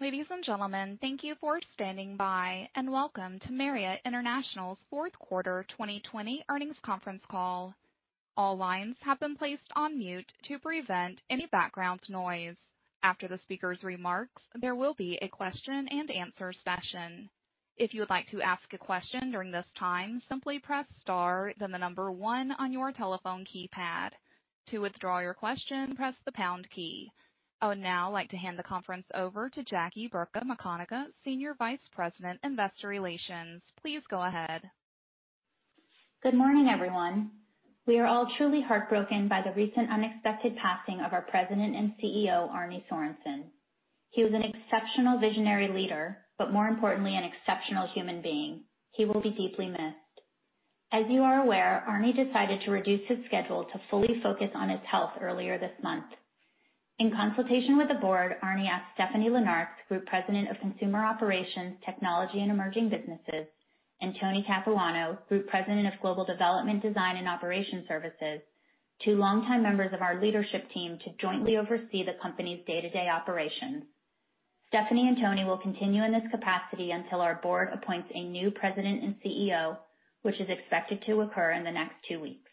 Ladies and gentlemen, thank you for standing by, and welcome to Marriott International's Q4 2020 earnings conference call. I would now like to hand the conference over to Jackie Burka McConagha, Senior Vice President, Investor Relations. Please go ahead. Good morning, everyone. We are all truly heartbroken by the recent unexpected passing of our President and CEO, Arne Sorenson. He was an exceptional visionary leader, but more importantly, an exceptional human being. He will be deeply missed. As you are aware, Arne decided to reduce his schedule to fully focus on his health earlier this month. In consultation with the board, Arne asked Stephanie Linnartz, Group President of Consumer Operations, Technology, and Emerging Businesses, and Tony Capuano, Group President of Global Development, Design, and Operation Services, two longtime members of our leadership team, to jointly oversee the company's day-to-day operations. Stephanie and Tony will continue in this capacity until our board appoints a new president and CEO, which is expected to occur in the next two weeks.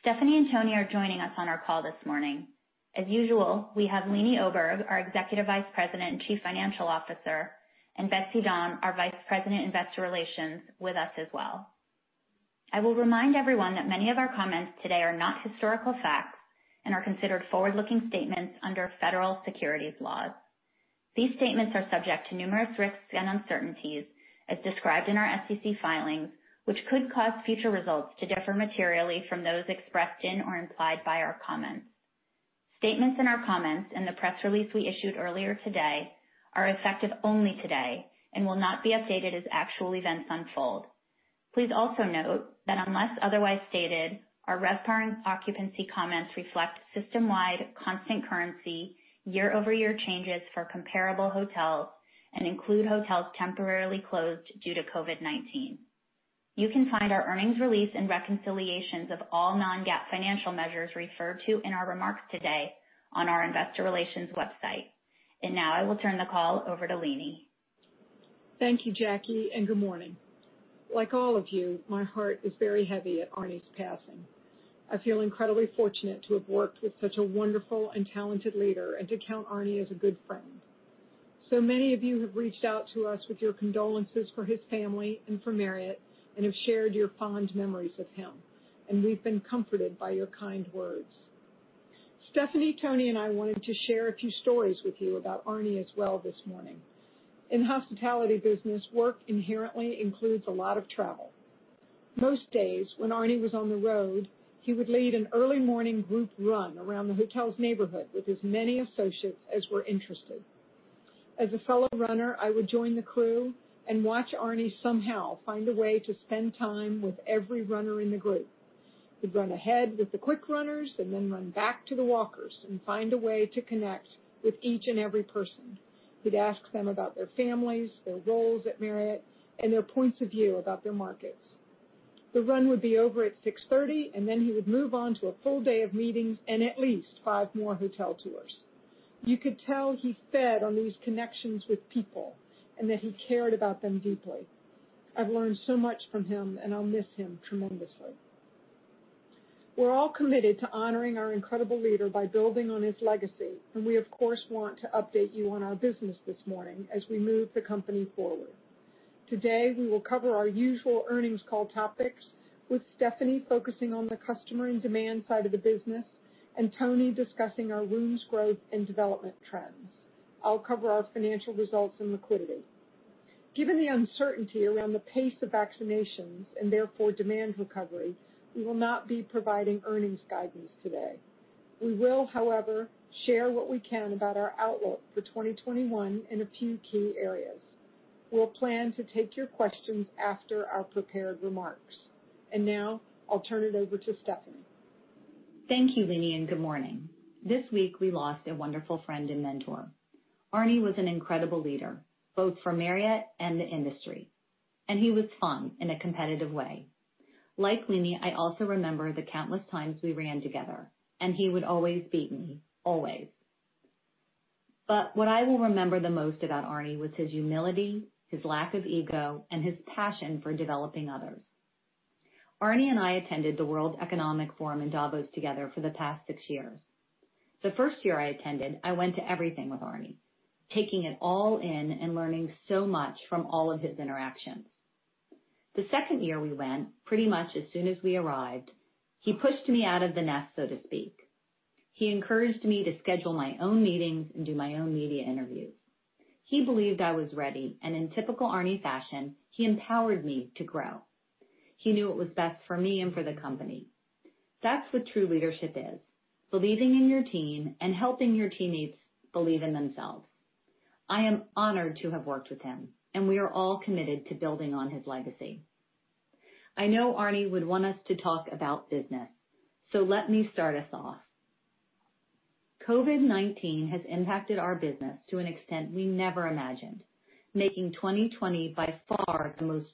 Stephanie and Tony are joining us on our call this morning. As usual, we have Leeny Oberg, our Executive Vice President and Chief Financial Officer, and Betsy Dahm, our Vice President, Investor Relations, with us as well. I will remind everyone that many of our comments today are not historical facts and are considered forward-looking statements under federal securities laws. These statements are subject to numerous risks and uncertainties, as described in our SEC filings, which could cause future results to differ materially from those expressed in or implied by our comments. Statements in our comments and the press release we issued earlier today are effective only today and will not be updated as actual events unfold. Please also note that unless otherwise stated, our RevPAR and occupancy comments reflect system-wide constant currency, year-over-year changes for comparable hotels, and include hotels temporarily closed due to COVID-19. You can find our earnings release and reconciliations of all non-GAAP financial measures referred to in our remarks today on our investor relations website. Now I will turn the call over to Leeny. Thank you, Jackie, and good morning. Like all of you, my heart is very heavy at Arne's passing. I feel incredibly fortunate to have worked with such a wonderful and talented leader and to count Arne as a good friend. Many of you have reached out to us with your condolences for his family and for Marriott and have shared your fond memories of him, and we've been comforted by your kind words. Stephanie, Tony, and I wanted to share a few stories with you about Arne as well this morning. In the hospitality business, work inherently includes a lot of travel. Most days when Arne was on the road, he would lead an early morning group run around the hotel's neighborhood with as many associates as were interested. As a fellow runner, I would join the crew and watch Arne somehow find a way to spend time with every runner in the group. He'd run ahead with the quick runners and then run back to the walkers and find a way to connect with each and every person. He'd ask them about their families, their roles at Marriott, and their points of view about their markets. The run would be over at 6:30, and then he would move on to a full day of meetings and at least five more hotel tours. You could tell he fed on these connections with people, and that he cared about them deeply. I've learned so much from him, and I'll miss him tremendously. We're all committed to honoring our incredible leader by building on his legacy. We of course want to update you on our business this morning as we move the company forward. Today, we will cover our usual earnings call topics with Stephanie focusing on the customer and demand side of the business and Tony discussing our rooms growth and development trends. I'll cover our financial results and liquidity. Given the uncertainty around the pace of vaccinations, and therefore demand recovery, we will not be providing earnings guidance today. We will, however, share what we can about our outlook for 2021 in a few key areas. We'll plan to take your questions after our prepared remarks. Now I'll turn it over to Steph. Thank you, Leeny. Good morning. This week we lost a wonderful friend and mentor. Arne was an incredible leader, both for Marriott and the industry, and he was fun in a competitive way. Like Leeny, I also remember the countless times we ran together, and he would always beat me. Always. What I will remember the most about Arne was his humility, his lack of ego, and his passion for developing others. Arne and I attended the World Economic Forum in Davos together for the past six years. The first year I attended, I went to everything with Arne, taking it all in and learning so much from all of his interactions. The second year we went, pretty much as soon as we arrived, he pushed me out of the nest, so to speak. He encouraged me to schedule my own meetings and do my own media interviews. He believed I was ready, and in typical Arne fashion, he empowered me to grow. He knew what was best for me and for the company. That's what true leadership is, believing in your team and helping your teammates believe in themselves. I am honored to have worked with him, and we are all committed to building on his legacy. I know Arne would want us to talk about business, so let me start us off. COVID-19 has impacted our business to an extent we never imagined, making 2020 by far the most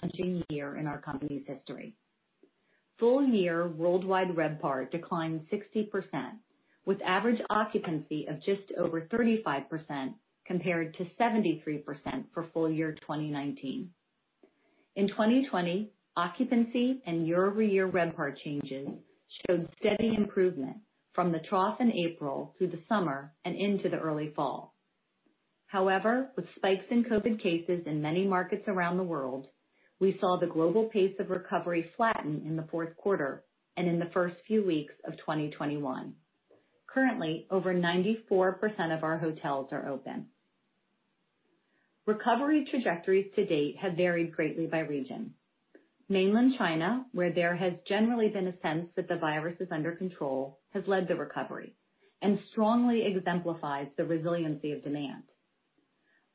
challenging year in our company's history. Full year worldwide RevPAR declined 60%, with average occupancy of just over 35%, compared to 73% for full year 2019. In 2020, occupancy and year-over-year RevPAR changes showed steady improvement from the trough in April through the summer and into the early fall. However, with spikes in COVID cases in many markets around the world, we saw the global pace of recovery flatten in the Q4 and in the first few weeks of 2021. Currently, over 94% of our hotels are open. Recovery trajectories to date have varied greatly by region. Mainland China, where there has generally been a sense that the virus is under control, has led the recovery and strongly exemplifies the resiliency of demand.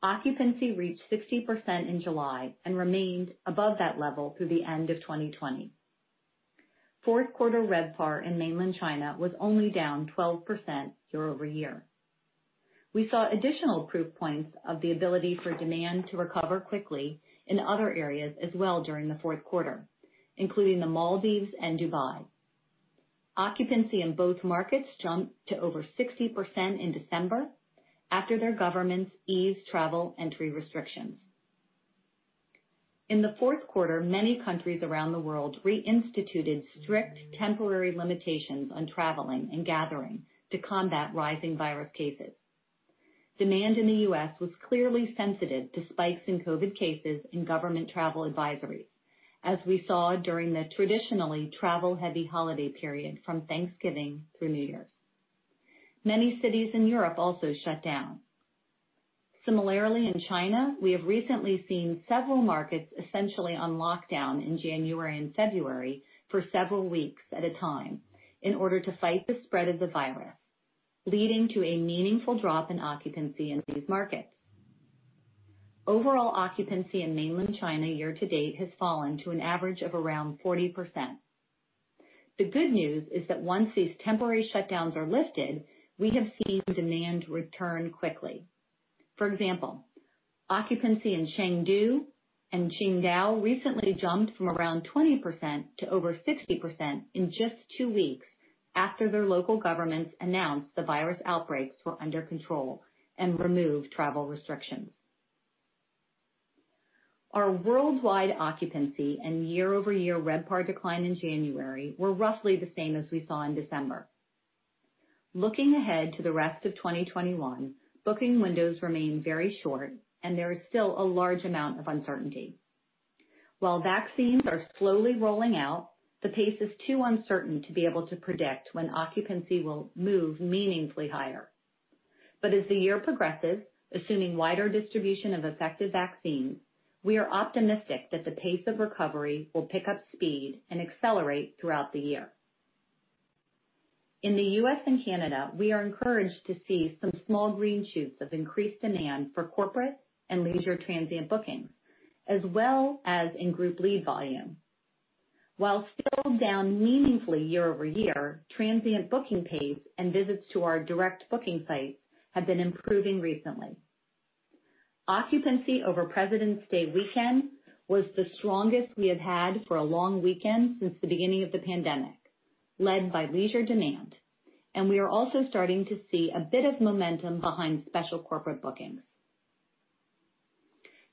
Occupancy reached 60% in July and remained above that level through the end of 2020. Q4 RevPAR in Mainland China was only down 12% year-over-year. We saw additional proof points of the ability for demand to recover quickly in other areas as well during the Q4, including the Maldives and Dubai. Occupancy in both markets jumped to over 60% in December after their governments eased travel entry restrictions. In the Q4, many countries around the world reinstituted strict temporary limitations on traveling and gathering to combat rising virus cases. Demand in the U.S. was clearly sensitive to spikes in COVID cases and government travel advisories, as we saw during the traditionally travel-heavy holiday period from Thanksgiving through New Year's. Many cities in Europe also shut down. Similarly, in China, we have recently seen several markets essentially on lockdown in January and February for several weeks at a time in order to fight the spread of the virus, leading to a meaningful drop in occupancy in these markets. Overall occupancy in mainland China year-to-date has fallen to an average of around 40%. The good news is that once these temporary shutdowns are lifted, we have seen demand return quickly. For example, occupancy in Chengdu and Qingdao recently jumped from around 20% to over 60% in just two weeks after their local governments announced the virus outbreaks were under control and removed travel restrictions. Our worldwide occupancy and year-over-year RevPAR decline in January were roughly the same as we saw in December. Looking ahead to the rest of 2021, booking windows remain very short, and there is still a large amount of uncertainty. While vaccines are slowly rolling out, the pace is too uncertain to be able to predict when occupancy will move meaningfully higher. As the year progresses, assuming wider distribution of effective vaccines, we are optimistic that the pace of recovery will pick up speed and accelerate throughout the year. In the U.S. and Canada, we are encouraged to see some small green shoots of increased demand for corporate and leisure transient bookings, as well as in group lead volume. While still down meaningfully year-over-year, transient booking pace and visits to our direct booking sites have been improving recently. Occupancy over President's Day weekend was the strongest we have had for a long weekend since the beginning of the pandemic, led by leisure demand, and we are also starting to see a bit of momentum behind special corporate bookings.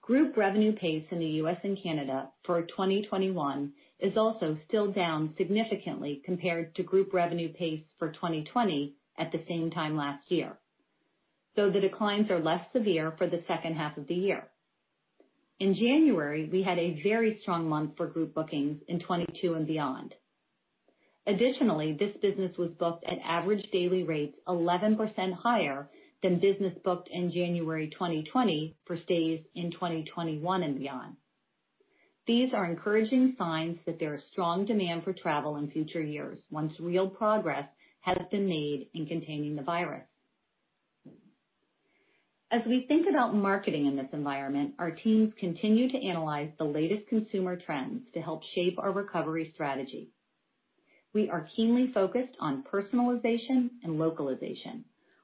Group revenue pace in the U.S. and Canada for 2021 is also still down significantly compared to group revenue pace for 2020 at the same time last year. The declines are less severe for the H2 of the year. In January, we had a very strong month for group bookings in 2022 and beyond. Additionally, this business was booked at average daily rates 11% higher than business booked in January 2020 for stays in 2021 and beyond. These are encouraging signs that there is strong demand for travel in future years once real progress has been made in containing the virus. As we think about marketing in this environment, our teams continue to analyze the latest consumer trends to help shape our recovery strategy. We are keenly focused on personalization and localization,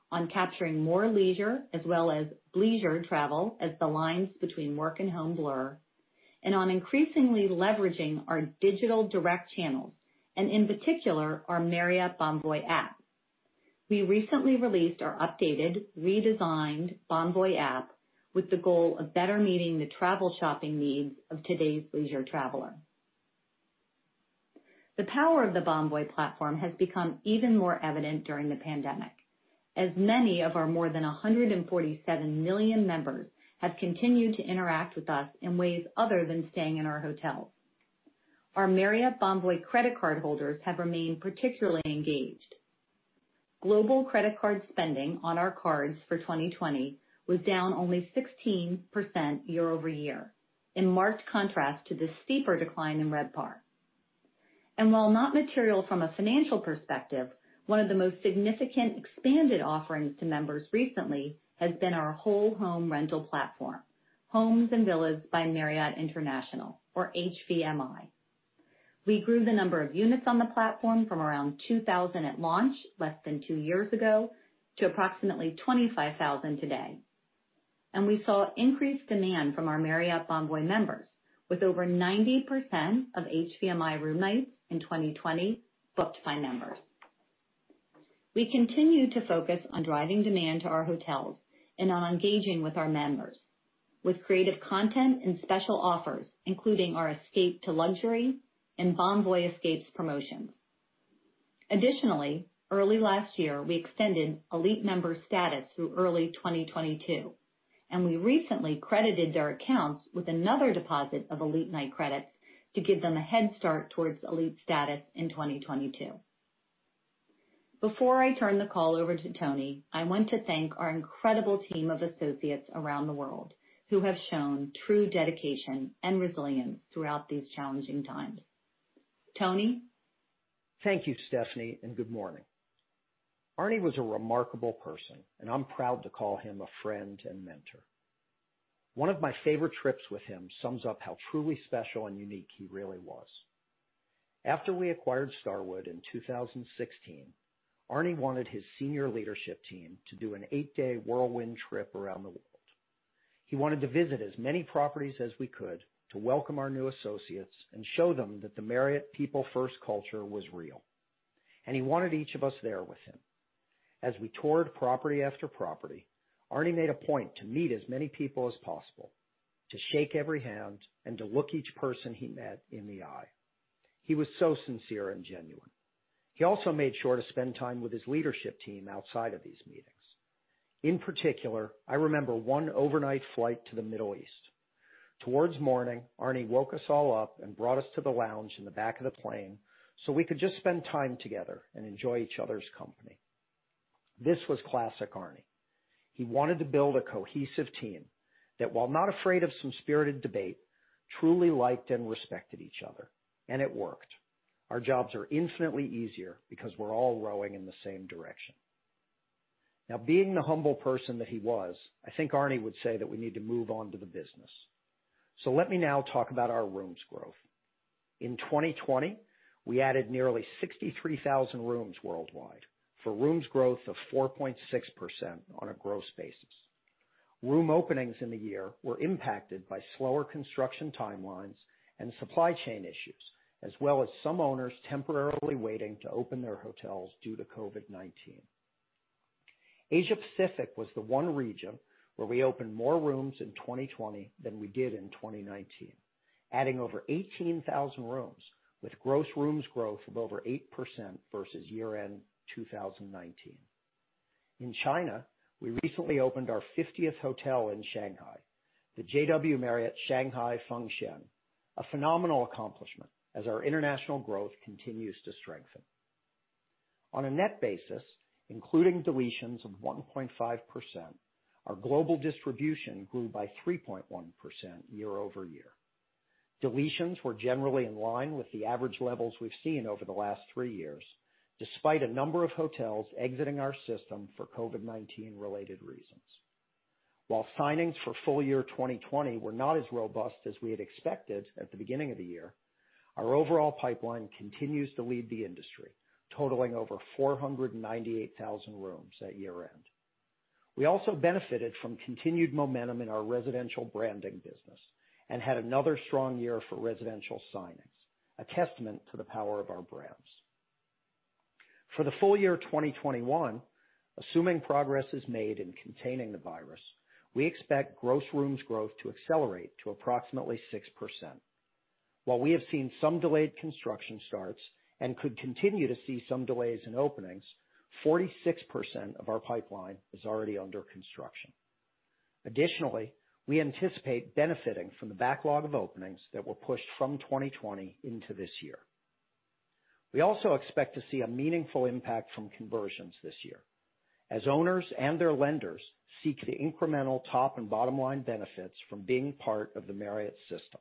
on capturing more leisure as well as leisure travel as the lines between work and home blur, and on increasingly leveraging our digital direct channels and in particular, our Marriott Bonvoy app. We recently released our updated, redesigned Bonvoy app with the goal of better meeting the travel shopping needs of today's leisure traveler. The power of the Bonvoy platform has become even more evident during the pandemic, as many of our more than 147 million members have continued to interact with us in ways other than staying in our hotels. Our Marriott Bonvoy credit card holders have remained particularly engaged. Global credit card spending on our cards for 2020 was down only 16% year-over-year, in marked contrast to the steeper decline in RevPAR. While not material from a financial perspective, one of the most significant expanded offerings to members recently has been our whole home rental platform, Homes & Villas by Marriott International, or HVMI. We grew the number of units on the platform from around 2,000 at launch less than two years ago to approximately 25,000 today. We saw increased demand from our Marriott Bonvoy members, with over 90% of HVMI room nights in 2020 booked by members. We continue to focus on driving demand to our hotels and on engaging with our members with creative content and special offers, including our Escape to Luxury and Bonvoy Escapes promotions. Additionally, early last year, we extended elite member status through early 2022, and we recently credited their accounts with another deposit of elite night credits to give them a head start towards elite status in 2022. Before I turn the call over to Tony, I want to thank our incredible team of associates around the world who have shown true dedication and resilience throughout these challenging times. Tony? Thank you, Stephanie. Good morning. Arne was a remarkable person, and I'm proud to call him a friend and mentor. One of my favorite trips with him sums up how truly special and unique he really was. After we acquired Starwood in 2016, Arne wanted his senior leadership team to do an eight-day whirlwind trip around the world. He wanted to visit as many properties as we could to welcome our new associates and show them that the Marriott people-first culture was real, and he wanted each of us there with him. As we toured property after property, Arne made a point to meet as many people as possible, to shake every hand, and to look each person he met in the eye. He was so sincere and genuine. He also made sure to spend time with his leadership team outside of these meetings. In particular, I remember one overnight flight to the Middle East. Towards morning, Arne woke us all up and brought us to the lounge in the back of the plane so we could just spend time together and enjoy each other's company. This was classic Arne. He wanted to build a cohesive team that, while not afraid of some spirited debate, truly liked and respected each other, and it worked. Our jobs are infinitely easier because we're all rowing in the same direction. Now, being the humble person that he was, I think Arne would say that we need to move on to the business. Let me now talk about our rooms growth. In 2020, we added nearly 63,000 rooms worldwide for rooms growth of 4.6% on a gross basis. Room openings in the year were impacted by slower construction timelines and supply chain issues, as well as some owners temporarily waiting to open their hotels due to COVID-19. Asia Pacific was the one region where we opened more rooms in 2020 than we did in 2019, adding over 18,000 rooms with gross rooms growth of over 8% versus year-end 2019. In China, we recently opened our 50th hotel in Shanghai, the JW Marriott Shanghai Fengxian, a phenomenal accomplishment as our international growth continues to strengthen. On a net basis, including deletions of 1.5%, our global distribution grew by 3.1% year-over-year. Deletions were generally in line with the average levels we've seen over the last three years, despite a number of hotels exiting our system for COVID-19 related reasons. While signings for full year 2020 were not as robust as we had expected at the beginning of the year, our overall pipeline continues to lead the industry, totaling over 498,000 rooms at year-end. We also benefited from continued momentum in our residential branding business and had another strong year for residential signings, a testament to the power of our brands. For the full year 2021, assuming progress is made in containing the virus, we expect gross rooms growth to accelerate to approximately 6%. While we have seen some delayed construction starts and could continue to see some delays in openings, 46% of our pipeline is already under construction. Additionally, we anticipate benefiting from the backlog of openings that were pushed from 2020 into this year. We also expect to see a meaningful impact from conversions this year as owners and their lenders seek the incremental top and bottom line benefits from being part of the Marriott system.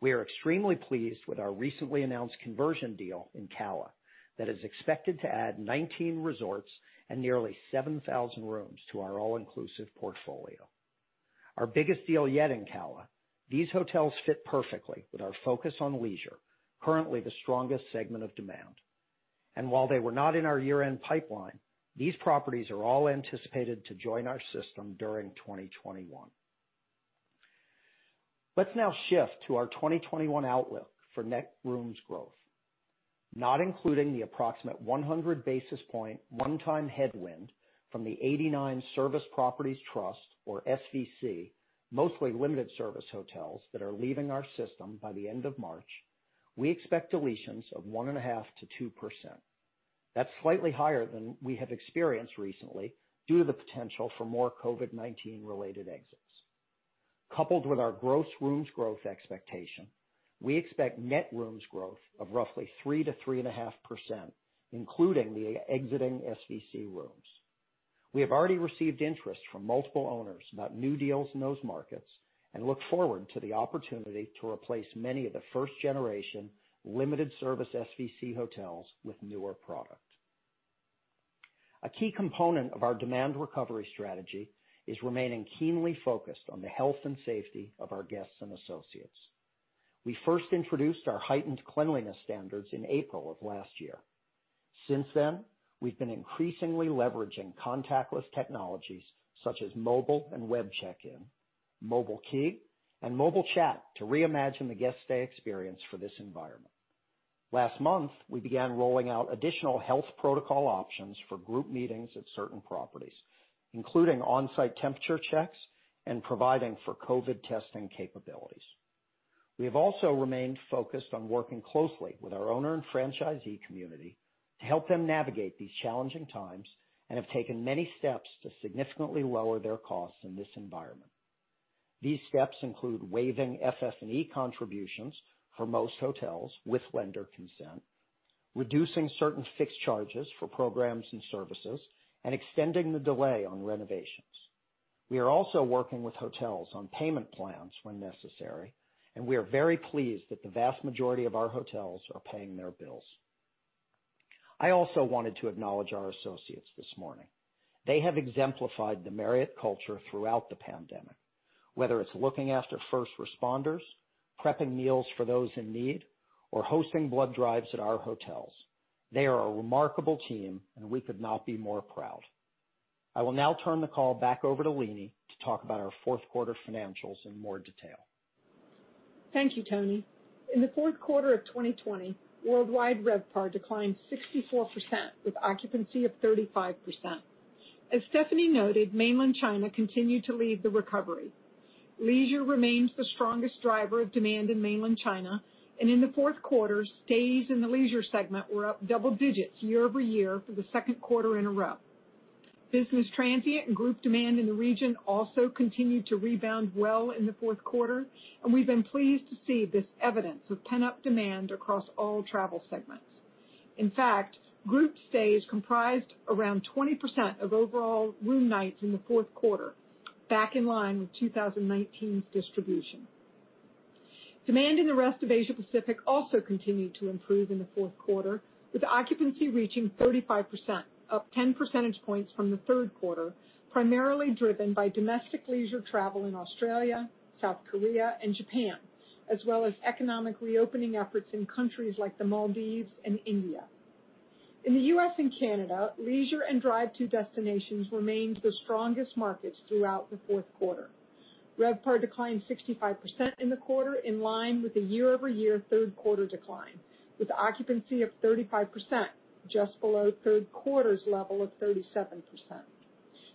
We are extremely pleased with our recently announced conversion deal in CALA that is expected to add 19 resorts and nearly 7,000 rooms to our all-inclusive portfolio. Our biggest deal yet in CALA, these hotels fit perfectly with our focus on leisure, currently the strongest segment of demand. While they were not in our year-end pipeline, these properties are all anticipated to join our system during 2021. Let's now shift to our 2021 outlook for net rooms growth. Not including the approximate 100 basis point one-time headwind from the 89 Service Properties Trust or SVC, mostly limited service hotels that are leaving our system by the end of March, we expect deletions of 1.5%-2%. That's slightly higher than we have experienced recently due to the potential for more COVID-19 related exits. Coupled with our gross rooms growth expectation, we expect net rooms growth of roughly 3%-3.5%, including the exiting SVC rooms. We have already received interest from multiple owners about new deals in those markets and look forward to the opportunity to replace many of the first-generation limited service SVC hotels with newer product. A key component of our demand recovery strategy is remaining keenly focused on the health and safety of our guests and associates. We first introduced our heightened cleanliness standards in April of last year. Since then, we've been increasingly leveraging contactless technologies such as mobile and web check-in, mobile key, and mobile chat to reimagine the guest stay experience for this environment. Last month, we began rolling out additional health protocol options for group meetings at certain properties, including on-site temperature checks and providing for COVID testing capabilities. We have also remained focused on working closely with our owner and franchisee community to help them navigate these challenging times and have taken many steps to significantly lower their costs in this environment. These steps include waiving FF&E contributions for most hotels with lender consent, reducing certain fixed charges for programs and services, and extending the delay on renovations. We are also working with hotels on payment plans when necessary, and we are very pleased that the vast majority of our hotels are paying their bills. I also wanted to acknowledge our associates this morning. They have exemplified the Marriott culture throughout the pandemic. Whether it's looking after first responders, prepping meals for those in need, or hosting blood drives at our hotels, they are a remarkable team, and we could not be more proud. I will now turn the call back over to Leeny to talk about our Q4 financials in more detail. Thank you, Tony. In the Q4 of 2020, worldwide RevPAR declined 64%, with occupancy of 35%. As Stephanie noted, Mainland China continued to lead the recovery. Leisure remains the strongest driver of demand in Mainland China, and in the Q4, stays in the leisure segment were up double digits year-over-year for the Q2 in a row. Business transient and group demand in the region also continued to rebound well in the Q4, and we've been pleased to see this evidence of pent-up demand across all travel segments. In fact, group stays comprised around 20% of overall room nights in the Q4, back in line with 2019's distribution. Demand in the rest of Asia Pacific also continued to improve in the Q4, with occupancy reaching 35%, up 10 percentage points from the Q3, primarily driven by domestic leisure travel in Australia, South Korea, and Japan, as well as economic reopening efforts in countries like the Maldives and India. In the U.S. and Canada, leisure and drive-to destinations remained the strongest markets throughout the Q4. RevPAR declined 65% in the quarter, in line with the year-over-year Q3 decline, with occupancy of 35%, just below Q3's level of 37%.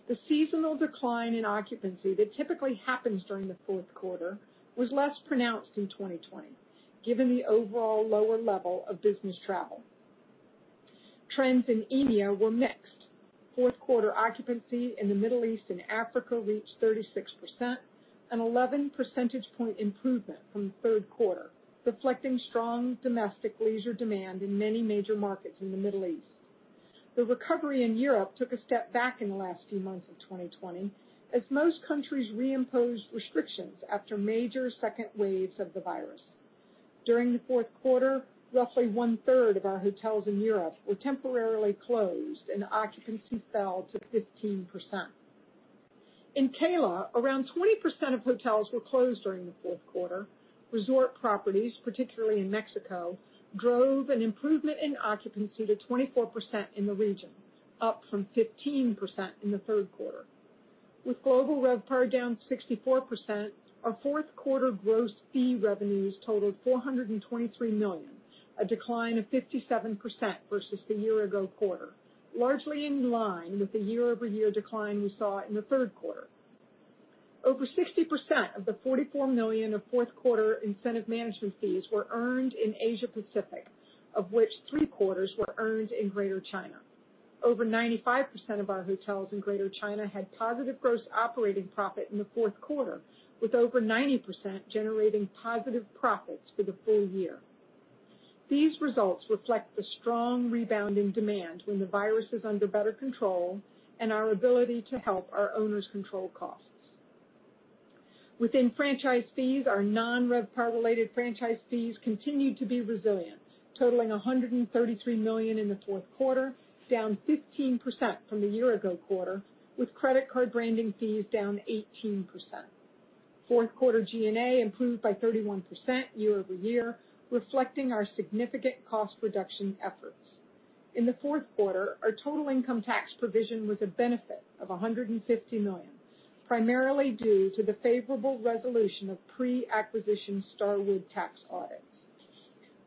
The seasonal decline in occupancy that typically happens during the Q4 was less pronounced in 2020, given the overall lower level of business travel. Trends in EMEA were mixed. Q4 occupancy in the Middle East and Africa reached 36%, an 11 percentage point improvement from the Q3, reflecting strong domestic leisure demand in many major markets in the Middle East. The recovery in Europe took a step back in the last few months of 2020, as most countries reimposed restrictions after major second waves of the virus. During the Q4, roughly one-third of our hotels in Europe were temporarily closed and occupancy fell to 15%. In CALA, around 20% of hotels were closed during the Q4. Resort properties, particularly in Mexico, drove an improvement in occupancy to 24% in the region, up from 15% in the Q3. With global RevPAR down 64%, our Q4 gross fee revenues totaled $423 million, a decline of 57% versus the year ago quarter, largely in line with the year-over-year decline we saw in the Q3. Over 60% of the $44 million of Q4 incentive management fees were earned in Asia Pacific, of which three-quarters were earned in Greater China. Over 95% of our hotels in Greater China had positive gross operating profit in the Q4, with over 90% generating positive profits for the full year. These results reflect the strong rebounding demand when the virus is under better control and our ability to help our owners control costs. Within franchise fees, our non-RevPAR related franchise fees continued to be resilient, totaling $133 million in the Q4, down 15% from the year-ago quarter, with credit card branding fees down 18%. Q4 G&A improved by 31% year-over-year, reflecting our significant cost reduction efforts. In the Q4, our total income tax provision was a benefit of $150 million, primarily due to the favorable resolution of pre-acquisition Starwood tax audits.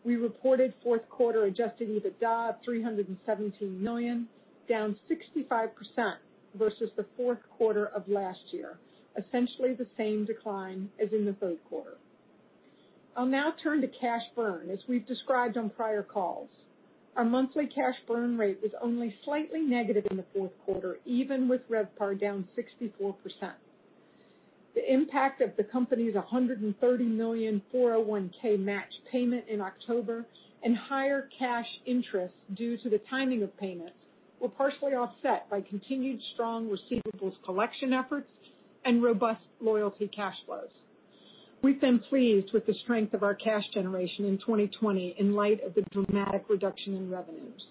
We reported Q4 adjusted EBITDA of $317 million, down 65% versus the Q4 of last year, essentially the same decline as in the Q3. I'll now turn to cash burn, as we've described on prior calls. Our monthly cash burn rate was only slightly negative in the Q4, even with RevPAR down 64%. The impact of the company's $130 million 401(k) match payment in October and higher cash interest due to the timing of payments were partially offset by continued strong receivables collection efforts and robust loyalty cash flows. We've been pleased with the strength of our cash generation in 2020 in light of the dramatic reduction in revenues.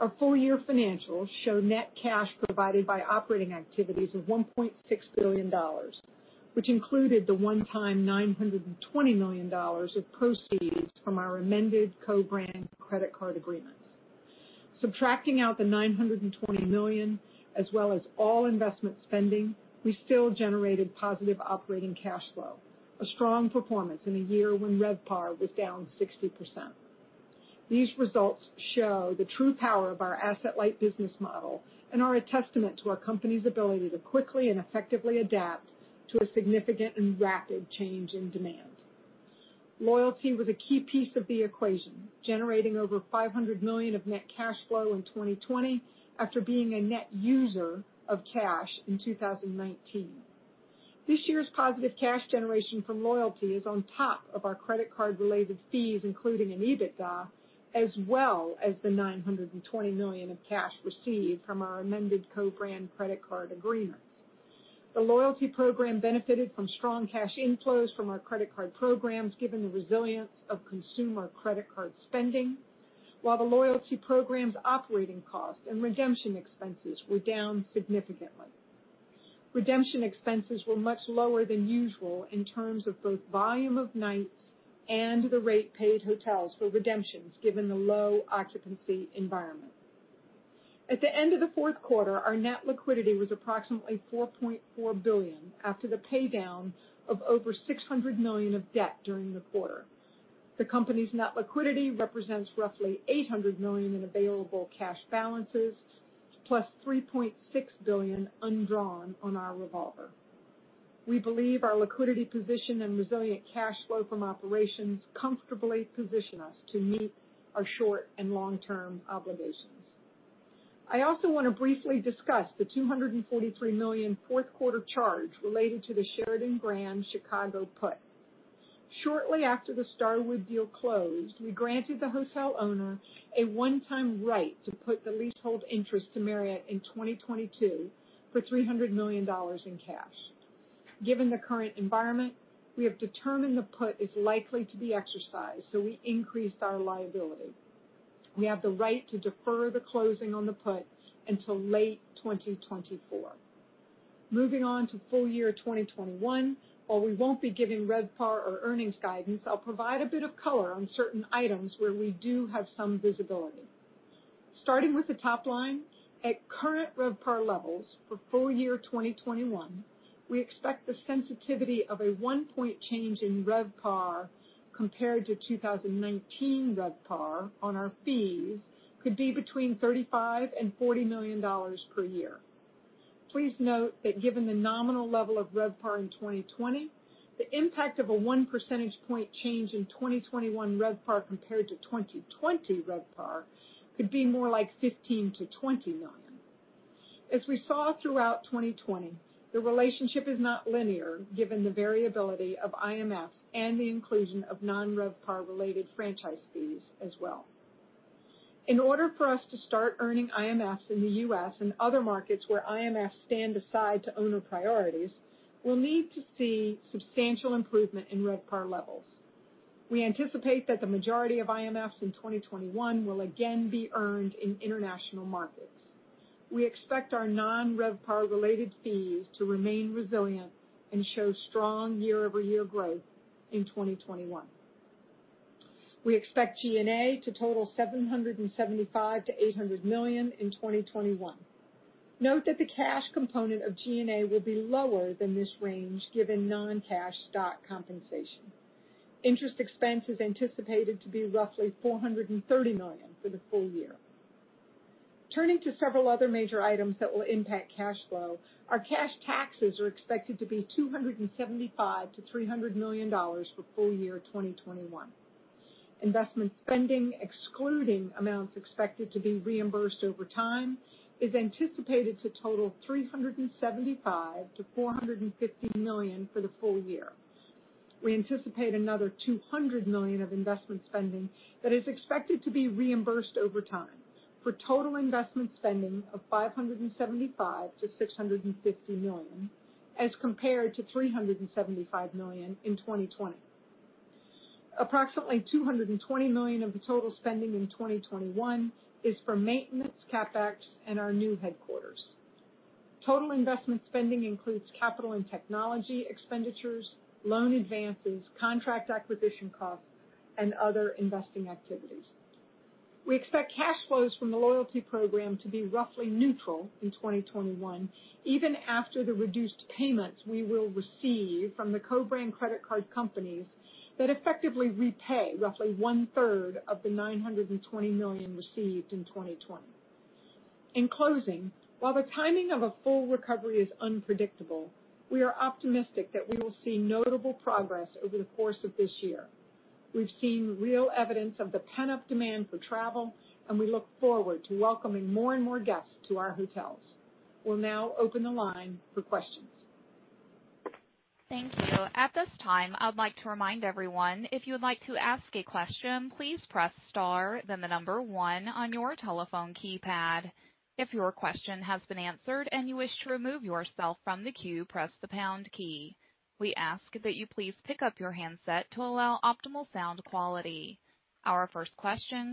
Our full-year financials show net cash provided by operating activities of $1.6 billion, which included the one-time $920 million of proceeds from our amended co-brand credit card agreements. Subtracting out the $920 million, as well as all investment spending, we still generated positive operating cash flow, a strong performance in a year when RevPAR was down 60%. These results show the true power of our asset-light business model and are a testament to our company's ability to quickly and effectively adapt to a significant and rapid change in demand. Loyalty was a key piece of the equation, generating over $500 million of net cash flow in 2020 after being a net user of cash in 2019. This year's positive cash generation from loyalty is on top of our credit card-related fees, including in EBITDA, as well as the $920 million of cash received from our amended co-brand credit card agreements. The loyalty program benefited from strong cash inflows from our credit card programs, given the resilience of consumer credit card spending, while the loyalty program's operating costs and redemption expenses were down significantly. Redemption expenses were much lower than usual in terms of both volume of nights and the rate paid hotels for redemptions, given the low occupancy environment. At the end of the Q4, our net liquidity was approximately $4.4 billion after the paydown of over $600 million of debt during the quarter. The company's net liquidity represents roughly $800 million in available cash balances, plus $3.6 billion undrawn on our revolver. We believe our liquidity position and resilient cash flow from operations comfortably position us to meet our short and long-term obligations. I also want to briefly discuss the $243 million Q4 charge related to the Sheraton Grand Chicago put. Shortly after the Starwood deal closed, we granted the hotel owner a one-time right to put the leasehold interest to Marriott in 2022 for $300 million in cash. Given the current environment, we have determined the put is likely to be exercised, we increased our liability. We have the right to defer the closing on the put until late 2024. Moving on to full year 2021. While we won't be giving RevPAR or earnings guidance, I'll provide a bit of color on certain items where we do have some visibility. Starting with the top line. At current RevPAR levels for full year 2021, we expect the sensitivity of a one point change in RevPAR compared to 2019 RevPAR on our fees could be between $35 and $40 million per year. Please note that given the nominal level of RevPAR in 2020, the impact of a one percentage point change in 2021 RevPAR compared to 2020 RevPAR could be more like $15 million-$20 million. As we saw throughout 2020, the relationship is not linear given the variability of IMFs and the inclusion of non-RevPAR related franchise fees as well. In order for us to start earning IMFs in the U.S. and other markets where IMFs stand aside to owner priorities, we'll need to see substantial improvement in RevPAR levels. We anticipate that the majority of IMFs in 2021 will again be earned in international markets. We expect our non-RevPAR related fees to remain resilient and show strong year-over-year growth in 2021. We expect G&A to total $775 million-$800 million in 2021. Note that the cash component of G&A will be lower than this range, given non-cash stock compensation. Interest expense is anticipated to be roughly $430 million for the full year. Turning to several other major items that will impact cash flow, our cash taxes are expected to be $275 million-$300 million for full year 2021. Investment spending, excluding amounts expected to be reimbursed over time, is anticipated to total $375 million-$450 million for the full year. We anticipate another $200 million of investment spending that is expected to be reimbursed over time, for total investment spending of $575 million-$650 million, as compared to $375 million in 2020. Approximately $220 million of the total spending in 2021 is for maintenance, CapEx, and our new headquarters. Total investment spending includes capital and technology expenditures, loan advances, contract acquisition costs, and other investing activities. We expect cash flows from the loyalty program to be roughly neutral in 2021, even after the reduced payments we will receive from the co-brand credit card companies that effectively repay roughly one-third of the $920 million received in 2020. In closing, while the timing of a full recovery is unpredictable, we are optimistic that we will see notable progress over the course of this year. We've seen real evidence of the pent-up demand for travel, and we look forward to welcoming more and more guests to our hotels. We'll now open the line for questions. Thank you. Our first question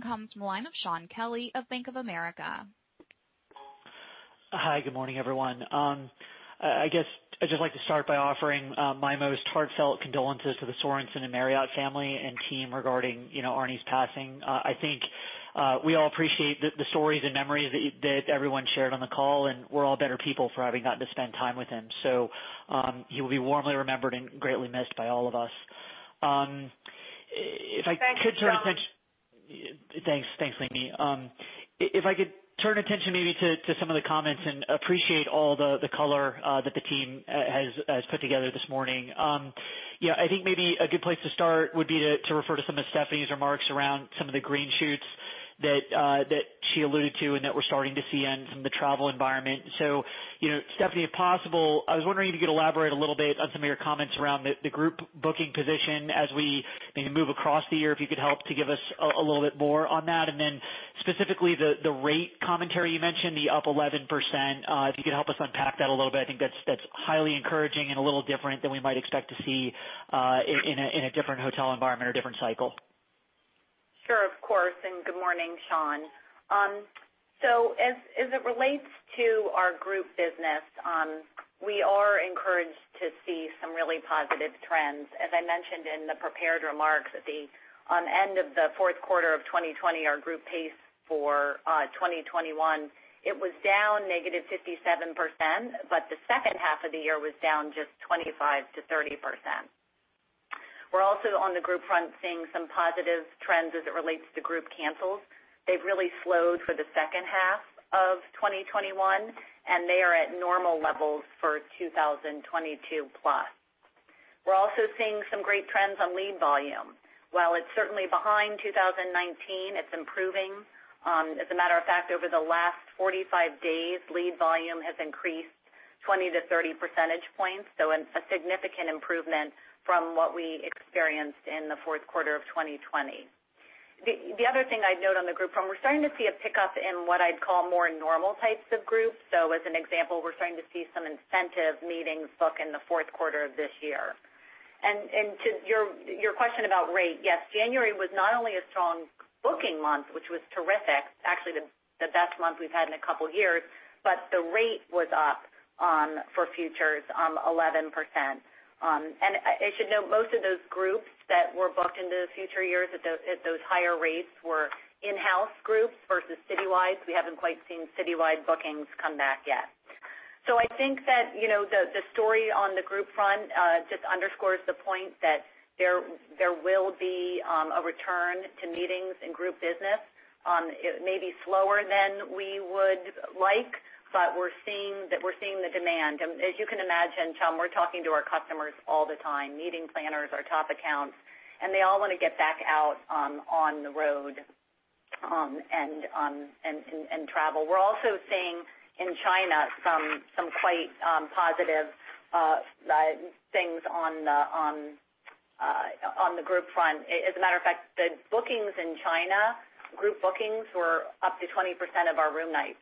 comes from the line of Shaun Kelley of Bank of America. Hi, good morning, everyone. I guess I'd just like to start by offering my most heartfelt condolences to the Sorenson and Marriott family and team regarding Arne's passing. I think we all appreciate the stories and memories that everyone shared on the call, and we're all better people for having gotten to spend time with him. So he will be warmly remembered and greatly missed by all of us. If I could turn attention- Thank you, Shaun. Thanks, Stephanie. If I could turn attention maybe to some of the comments, and appreciate all the color that the team has put together this morning. I think maybe a good place to start would be to refer to some of Stephanie's remarks around some of the green shoots that she alluded to and that we're starting to see in some of the travel environment. Stephanie, if possible, I was wondering if you could elaborate a little bit on some of your comments around the group booking position as we maybe move across the year, if you could help to give us a little bit more on that. Specifically, the rate commentary you mentioned, the up 11%, if you could help us unpack that a little bit. I think that's highly encouraging and a little different than we might expect to see in a different hotel environment or different cycle. Sure, of course. Good morning, Shaun. As it relates to our group business, we are encouraged to see some really positive trends. As I mentioned in the prepared remarks, at the end of the Q4 of 2020, our group pace for 2021, it was down -57%, but the H2 of the year was down just 25%-30%. We're also, on the group front, seeing some positive trends as it relates to group cancels. They've really slowed for the H2 of 2021, and they are at normal levels for 2022+. We're also seeing some great trends on lead volume. While it's certainly behind 2019, it's improving. As a matter of fact, over the last 45 days, lead volume has increased 20-30 percentage points, so a significant improvement from what we experienced in the Q4 of 2020. The other thing I'd note on the group front, we're starting to see a pickup in what I'd call more normal types of groups. As an example, we're starting to see some incentive meetings book in the Q4 of this year. To your question about rate, yes, January was not only a strong booking month, which was terrific, actually the best month we've had in a couple of years, but the rate was up for futures 11%. I should note, most of those groups that were booked into the future years at those higher rates were in-house groups versus citywide. We haven't quite seen citywide bookings come back yet. I think that the story on the group front just underscores the point that there will be a return to meetings and group business. It may be slower than we would like, but we're seeing the demand. As you can imagine, Tom, we're talking to our customers all the time, meeting planners, our top accounts, and they all want to get back out on the road and travel. We're also seeing in China some quite positive things on the group front. As a matter of fact, the bookings in China, group bookings, were up to 20% of our room nights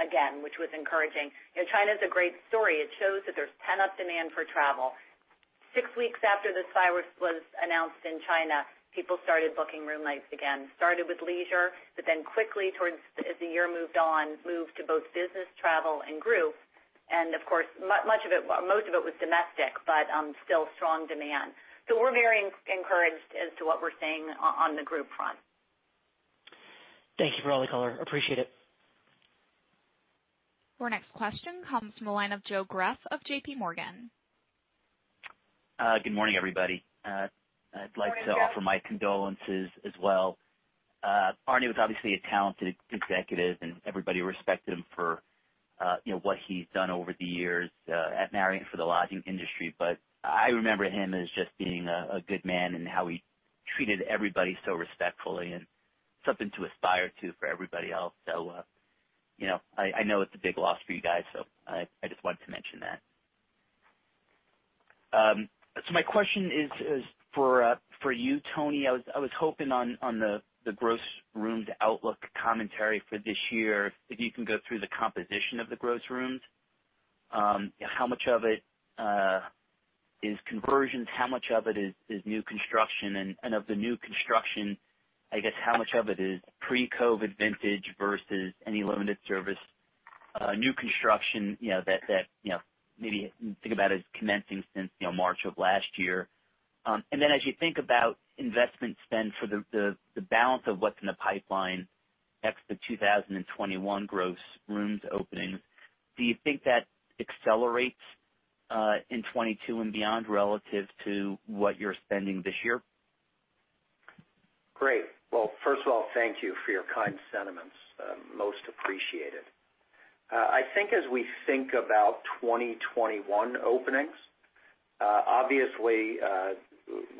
again, which was encouraging. China's a great story. It shows that there's pent-up demand for travel. Six weeks after this virus was announced in China, people started booking room nights again. It started with leisure, but then quickly towards, as the year moved on, moved to both business travel and group. Of course, most of it was domestic, but still strong demand. We're very encouraged as to what we're seeing on the group front. Thank you for all the color. Appreciate it. Our next question comes from the line of Joe Greff of J.P. Morgan. Good morning, everybody. Good morning, Joe. I'd like to offer my condolences as well. Arne was obviously a talented executive, and everybody respected him for what he'd done over the years at Marriott and for the lodging industry. I remember him as just being a good man and how he treated everybody so respectfully, and something to aspire to for everybody else. I know it's a big loss for you guys, so I just wanted to mention that. My question is for you, Tony. I was hoping on the gross rooms outlook commentary for this year, if you can go through the composition of the gross rooms. How much of it is conversions? How much of it is new construction? Of the new construction, I guess how much of it is pre-COVID vintage versus any limited service new construction that maybe you think about as commencing since March of last year? As you think about investment spend for the balance of what's in the pipeline, ex the 2021 gross rooms openings, do you think that accelerates in 2022 and beyond relative to what you're spending this year? Great. Well, first of all, thank you for your kind sentiments. Most appreciated. I think as we think about 2021 openings, obviously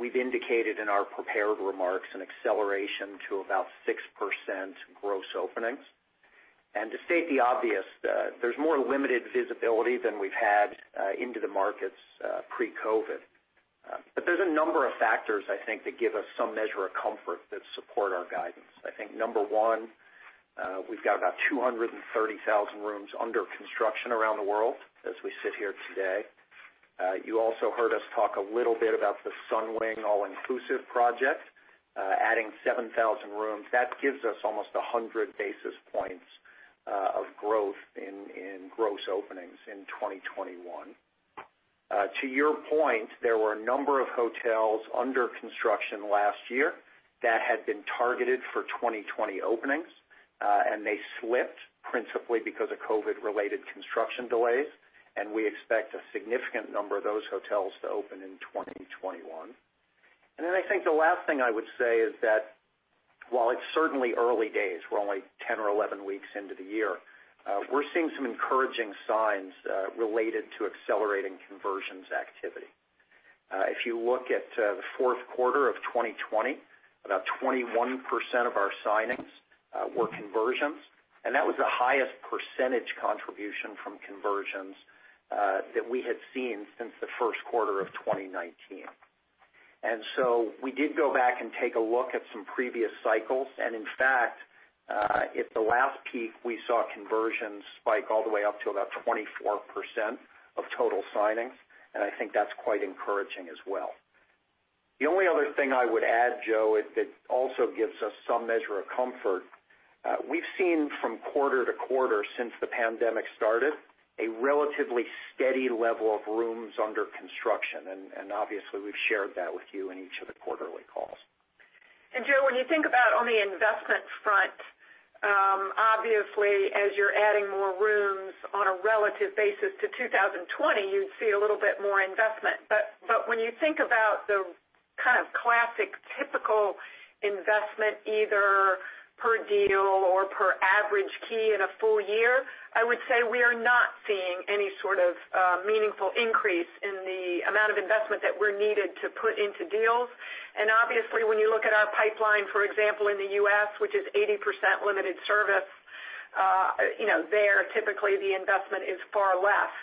we've indicated in our prepared remarks an acceleration to about 6% gross openings. To state the obvious, there's more limited visibility than we've had into the markets pre-COVID. There's a number of factors, I think, that give us some measure of comfort that support our guidance. I think number one, we've got about 230,000 rooms under construction around the world as we sit here today. You also heard us talk a little bit about the Sunwing all-inclusive project adding 7,000 rooms. That gives us almost 100 basis points of growth in gross openings in 2021. To your point, there were a number of hotels under construction last year that had been targeted for 2020 openings, and they slipped principally because of COVID-related construction delays. We expect a significant number of those hotels to open in 2021. I think the last thing I would say is that while it's certainly early days, we're only 10 or 11 weeks into the year, we're seeing some encouraging signs related to accelerating conversions activity. If you look at the Q4 of 2020, about 21% of our signings were conversions, and that was the highest percentage contribution from conversions that we had seen since the Q1 of 2019. We did go back and take a look at some previous cycles. In fact, at the last peak, we saw conversions spike all the way up to about 24% of total signings, and I think that's quite encouraging as well. The only other thing I would add, Joe, it also gives us some measure of comfort. We've seen from quarter to quarter since the pandemic started, a relatively steady level of rooms under construction, and obviously, we've shared that with you in each of the quarterly calls. Joe, when you think about on the investment front, obviously as you're adding more rooms on a relative basis to 2020, you'd see a little bit more investment. When you think about the kind of classic typical investment, either per deal or per average key in a full year, I would say we are not seeing any sort of meaningful increase in the amount of investment that we're needed to put into deals. Obviously, when you look at our pipeline, for example, in the U.S., which is 80% limited service, there, typically the investment is far less.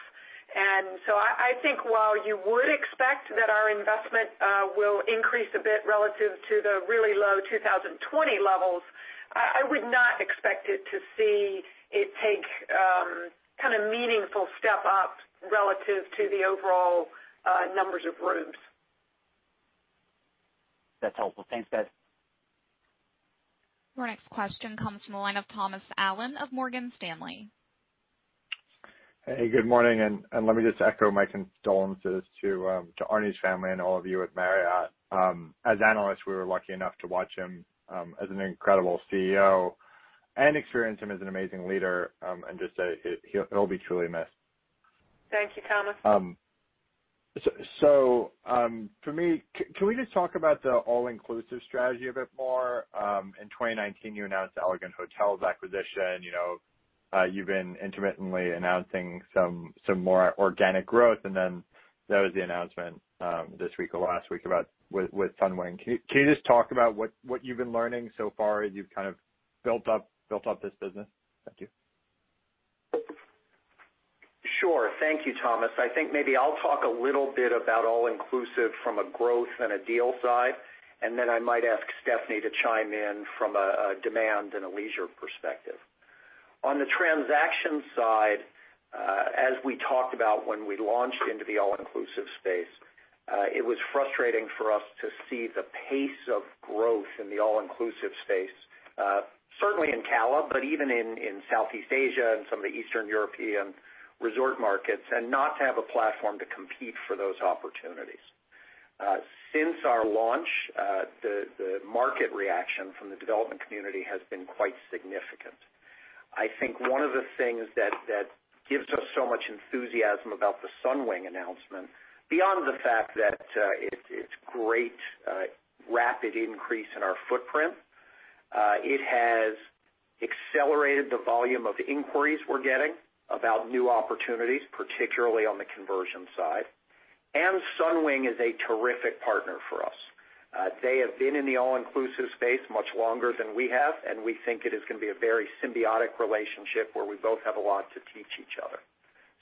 I think while you would expect that our investment will increase a bit relative to the really low 2020 levels, I would not expect it to see it take kind of meaningful step up relative to the overall numbers of rooms. That's helpful. Thanks, guys. Our next question comes from the line of Thomas Allen of Morgan Stanley. Hey, good morning. Let me just echo my condolences to Arne's family and all of you at Marriott. As analysts, we were lucky enough to watch him as an incredible CEO and experience him as an amazing leader and just he'll be truly missed. Thank you, Thomas. For me, can we just talk about the all-inclusive strategy a bit more? In 2019, you announced the Elegant Hotels acquisition. You've been intermittently announcing some more organic growth. There was the announcement this week or last week with Sunwing. Can you just talk about what you've been learning so far as you've kind of built up this business? Thank you. Sure. Thank you, Thomas. I think maybe I'll talk a little bit about all-inclusive from a growth and a deal side, and then I might ask Stephanie to chime in from a demand and a leisure perspective. On the transaction side, as we talked about when we launched into the all-inclusive space, it was frustrating for us to see the pace of growth in the all-inclusive space, certainly in CALA, but even in Southeast Asia and some of the Eastern European resort markets, and not to have a platform to compete for those opportunities. Since our launch, the market reaction from the development community has been quite significant. I think one of the things that gives us so much enthusiasm about the Sunwing announcement, beyond the fact that it's great rapid increase in our footprint, it has accelerated the volume of inquiries we're getting about new opportunities, particularly on the conversion side. Sunwing is a terrific partner for us. They have been in the all-inclusive space much longer than we have, and we think it is going to be a very symbiotic relationship where we both have a lot to teach each other.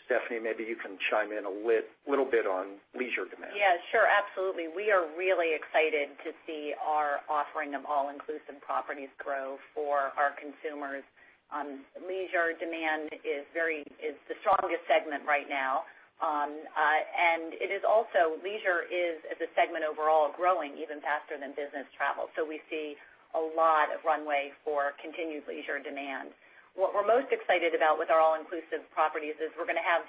Stephanie, maybe you can chime in a little bit on leisure demand. Yeah, sure. Absolutely. We are really excited to see our offering of all-inclusive properties grow for our consumers. Leisure demand is the strongest segment right now. It is also, as a segment overall, growing even faster than business travel. We see a lot of runway for continued leisure demand. What we're most excited about with our all-inclusive properties is we're going to have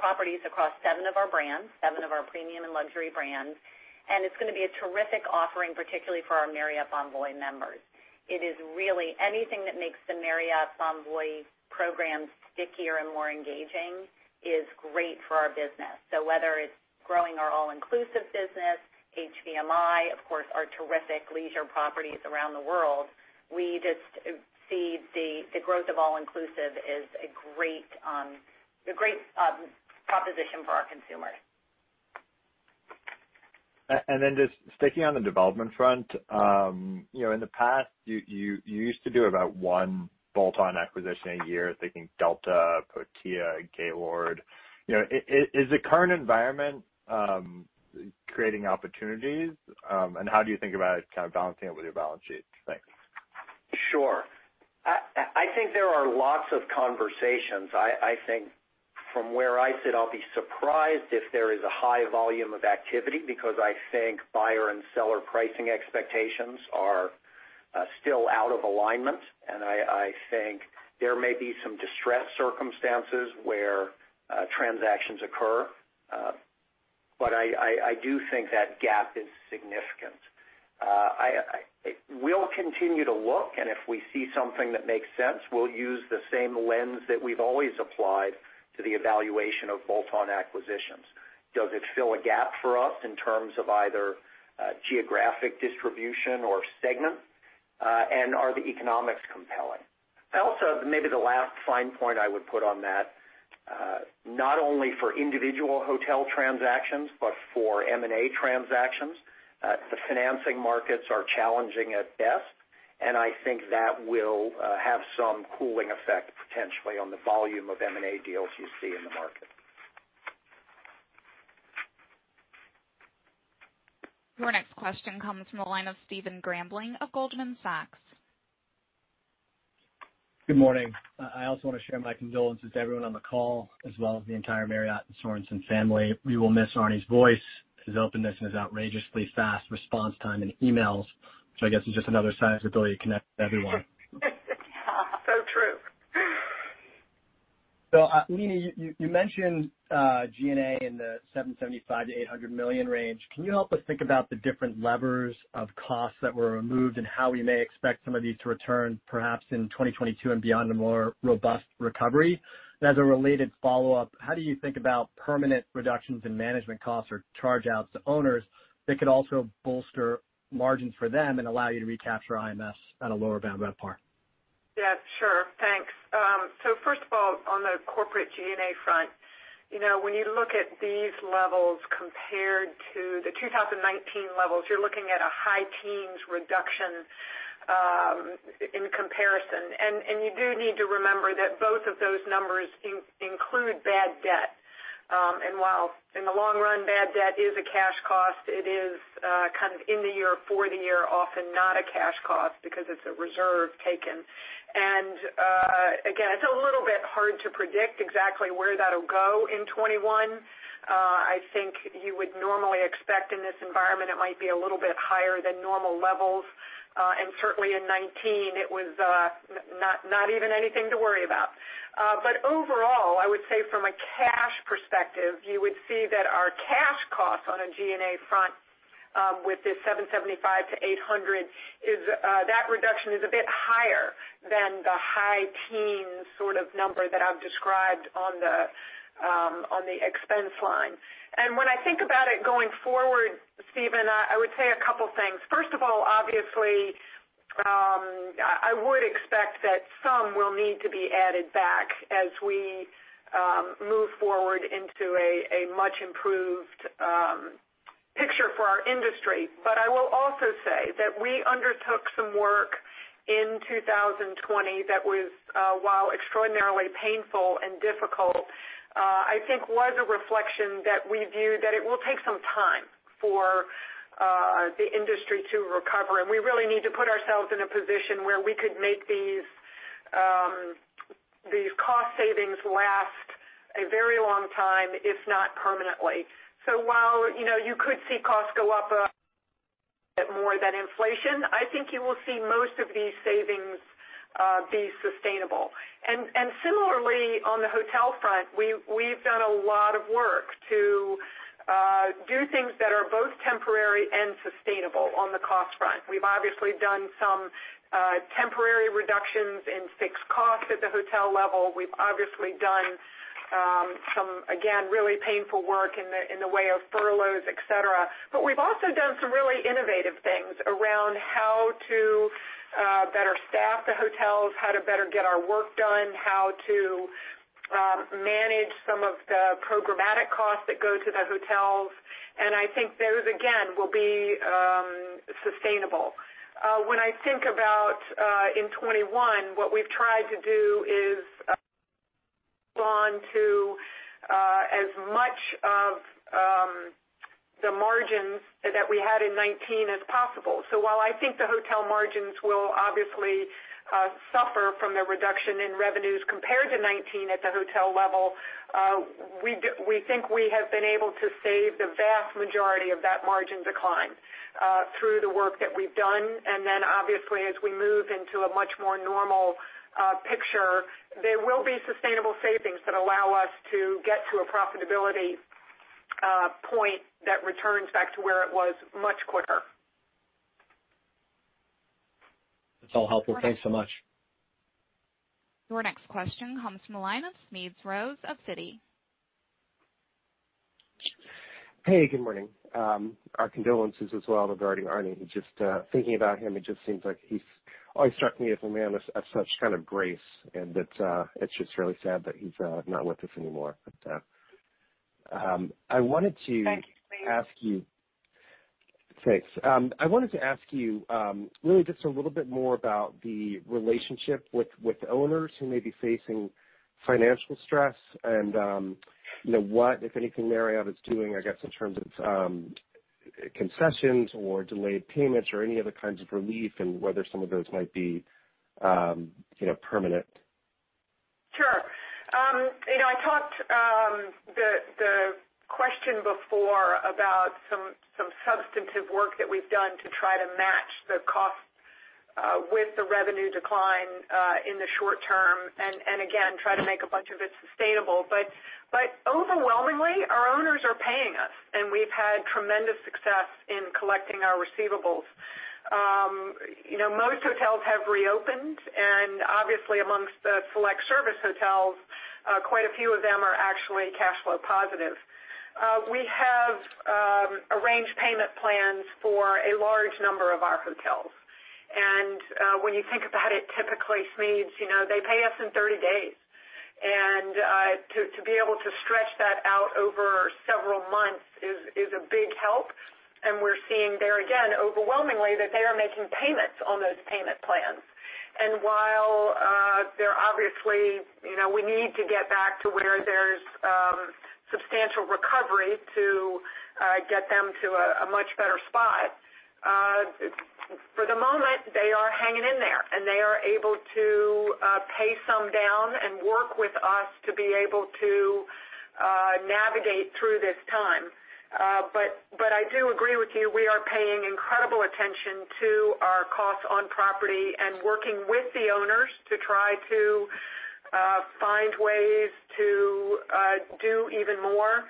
properties across seven of our brands, seven of our premium and luxury brands, and it's going to be a terrific offering, particularly for our Marriott Bonvoy members. It is really anything that makes the Marriott Bonvoy programs stickier and more engaging is great for our business. Whether it's growing our all-inclusive business, HVMI, of course, our terrific leisure properties around the world, we just see the growth of all-inclusive is a great proposition for our consumers. Just sticking on the development front, in the past, you used to do about one bolt-on acquisition a year, thinking Delta, Protea, Gaylord. Is the current environment creating opportunities? How do you think about it kind of balancing it with your balance sheet? Thanks. Sure. I think there are lots of conversations. I think from where I sit, I'll be surprised if there is a high volume of activity, because I think buyer and seller pricing expectations are still out of alignment. I think there may be some distressed circumstances where transactions occur. I do think that gap is significant. We'll continue to look, and if we see something that makes sense, we'll use the same lens that we've always applied to the evaluation of bolt-on acquisitions. Does it fill a gap for us in terms of either geographic distribution or segment? Are the economics compelling? Maybe the last fine point I would put on that, not only for individual hotel transactions but for M&A transactions, the financing markets are challenging at best, and I think that will have some cooling effect potentially on the volume of M&A deals you see in the market. Your next question comes from the line of Stephen Grambling of Goldman Sachs. Good morning. I also want to share my condolences to everyone on the call, as well as the entire Marriott and Sorenson family. We will miss Arne's voice, his openness, and his outrageously fast response time in emails, which I guess is just another sign of his ability to connect with everyone. True. Leeny, you mentioned G&A in the $775 million-$800 million range. Can you help us think about the different levers of costs that were removed and how we may expect some of these to return, perhaps in 2022 and beyond, a more robust recovery? As a related follow-up, how do you think about permanent reductions in management costs or charge-outs to owners that could also bolster margins for them and allow you to recapture IMFs at a lower bound RevPAR? Yeah, sure. Thanks. First of all, on the corporate G&A front, when you look at these levels compared to the 2019 levels, you're looking at a high teens reduction in comparison. You do need to remember that both of those numbers include bad debt. While in the long run, bad debt is a cash cost, it is kind of in the year, for the year, often not a cash cost because it's a reserve taken. Again, it's a little bit hard to predict exactly where that'll go in 2021. I think you would normally expect in this environment, it might be a little bit higher than normal levels. Certainly in 2019, it was not even anything to worry about. Overall, I would say from a cash perspective, you would see that our cash costs on a G&A front with this $775-$800, that reduction is a bit higher than the high teen sort of number that I've described on the expense line. When I think about it going forward, Stephen, I would say a couple things. First of all, obviously, I would expect that some will need to be added back as we move forward into a much improved picture for our industry. I will also say that we undertook some work in 2020 that was, while extraordinarily painful and difficult, I think was a reflection that we viewed that it will take some time for the industry to recover, and we really need to put ourselves in a position where we could make these cost savings last a very long time, if not permanently. While you could see costs go up a bit more than inflation, I think you will see most of these savings be sustainable. Similarly, on the hotel front, we've done a lot of work to do things that are both temporary and sustainable on the cost front. We've obviously done some temporary reductions in fixed costs at the hotel level. We've obviously done some, again, really painful work in the way of furloughs, et cetera. We've also done some really innovative things around how to better staff the hotels, how to better get our work done, how to manage some of the programmatic costs that go to the hotels. I think those, again, will be sustainable. When I think about in 2021, what we've tried to do is hold on to as much of the margins that we had in 2019 as possible. While I think the hotel margins will obviously suffer from the reduction in revenues compared to 2019 at the hotel level, we think we have been able to save the vast majority of that margin decline through the work that we've done. Obviously, as we move into a much more normal picture, there will be sustainable savings that allow us to get to a profitability point that returns back to where it was much quicker. That's all helpful. Thanks so much. Your next question comes from the line of Smedes Rose of Citi. Hey, good morning. Our condolences as well regarding Arne. Just thinking about him, it just seems like he always struck me as a man of such grace, and it's just really sad that he's not with us anymore. I wanted to ask you. Thank you, Smedes. Thanks. I wanted to ask you really just a little bit more about the relationship with the owners who may be facing financial stress and what, if anything, Marriott is doing, I guess, in terms of concessions or delayed payments or any other kinds of relief, and whether some of those might be permanent? Sure. I talked the question before about some substantive work that we've done to try to match the cost with the revenue decline in the short term, again, try to make a bunch of it sustainable. Overwhelmingly, our owners are paying us, and we've had tremendous success in collecting our receivables. Most hotels have reopened and obviously amongst the select service hotels, quite a few of them are actually cash flow positive. We have arranged payment plans for a large number of our hotels. When you think about it, typically this means they pay us in 30 days. To be able to stretch that out over several months is a big help. We're seeing there again, overwhelmingly, that they are making payments on those payment plans. While we need to get back to where there's substantial recovery to get them to a much better spot. For the moment, they are hanging in there, and they are able to pay some down and work with us to be able to navigate through this time. I do agree with you. We are paying incredible attention to our costs on property and working with the owners to try to find ways to do even more.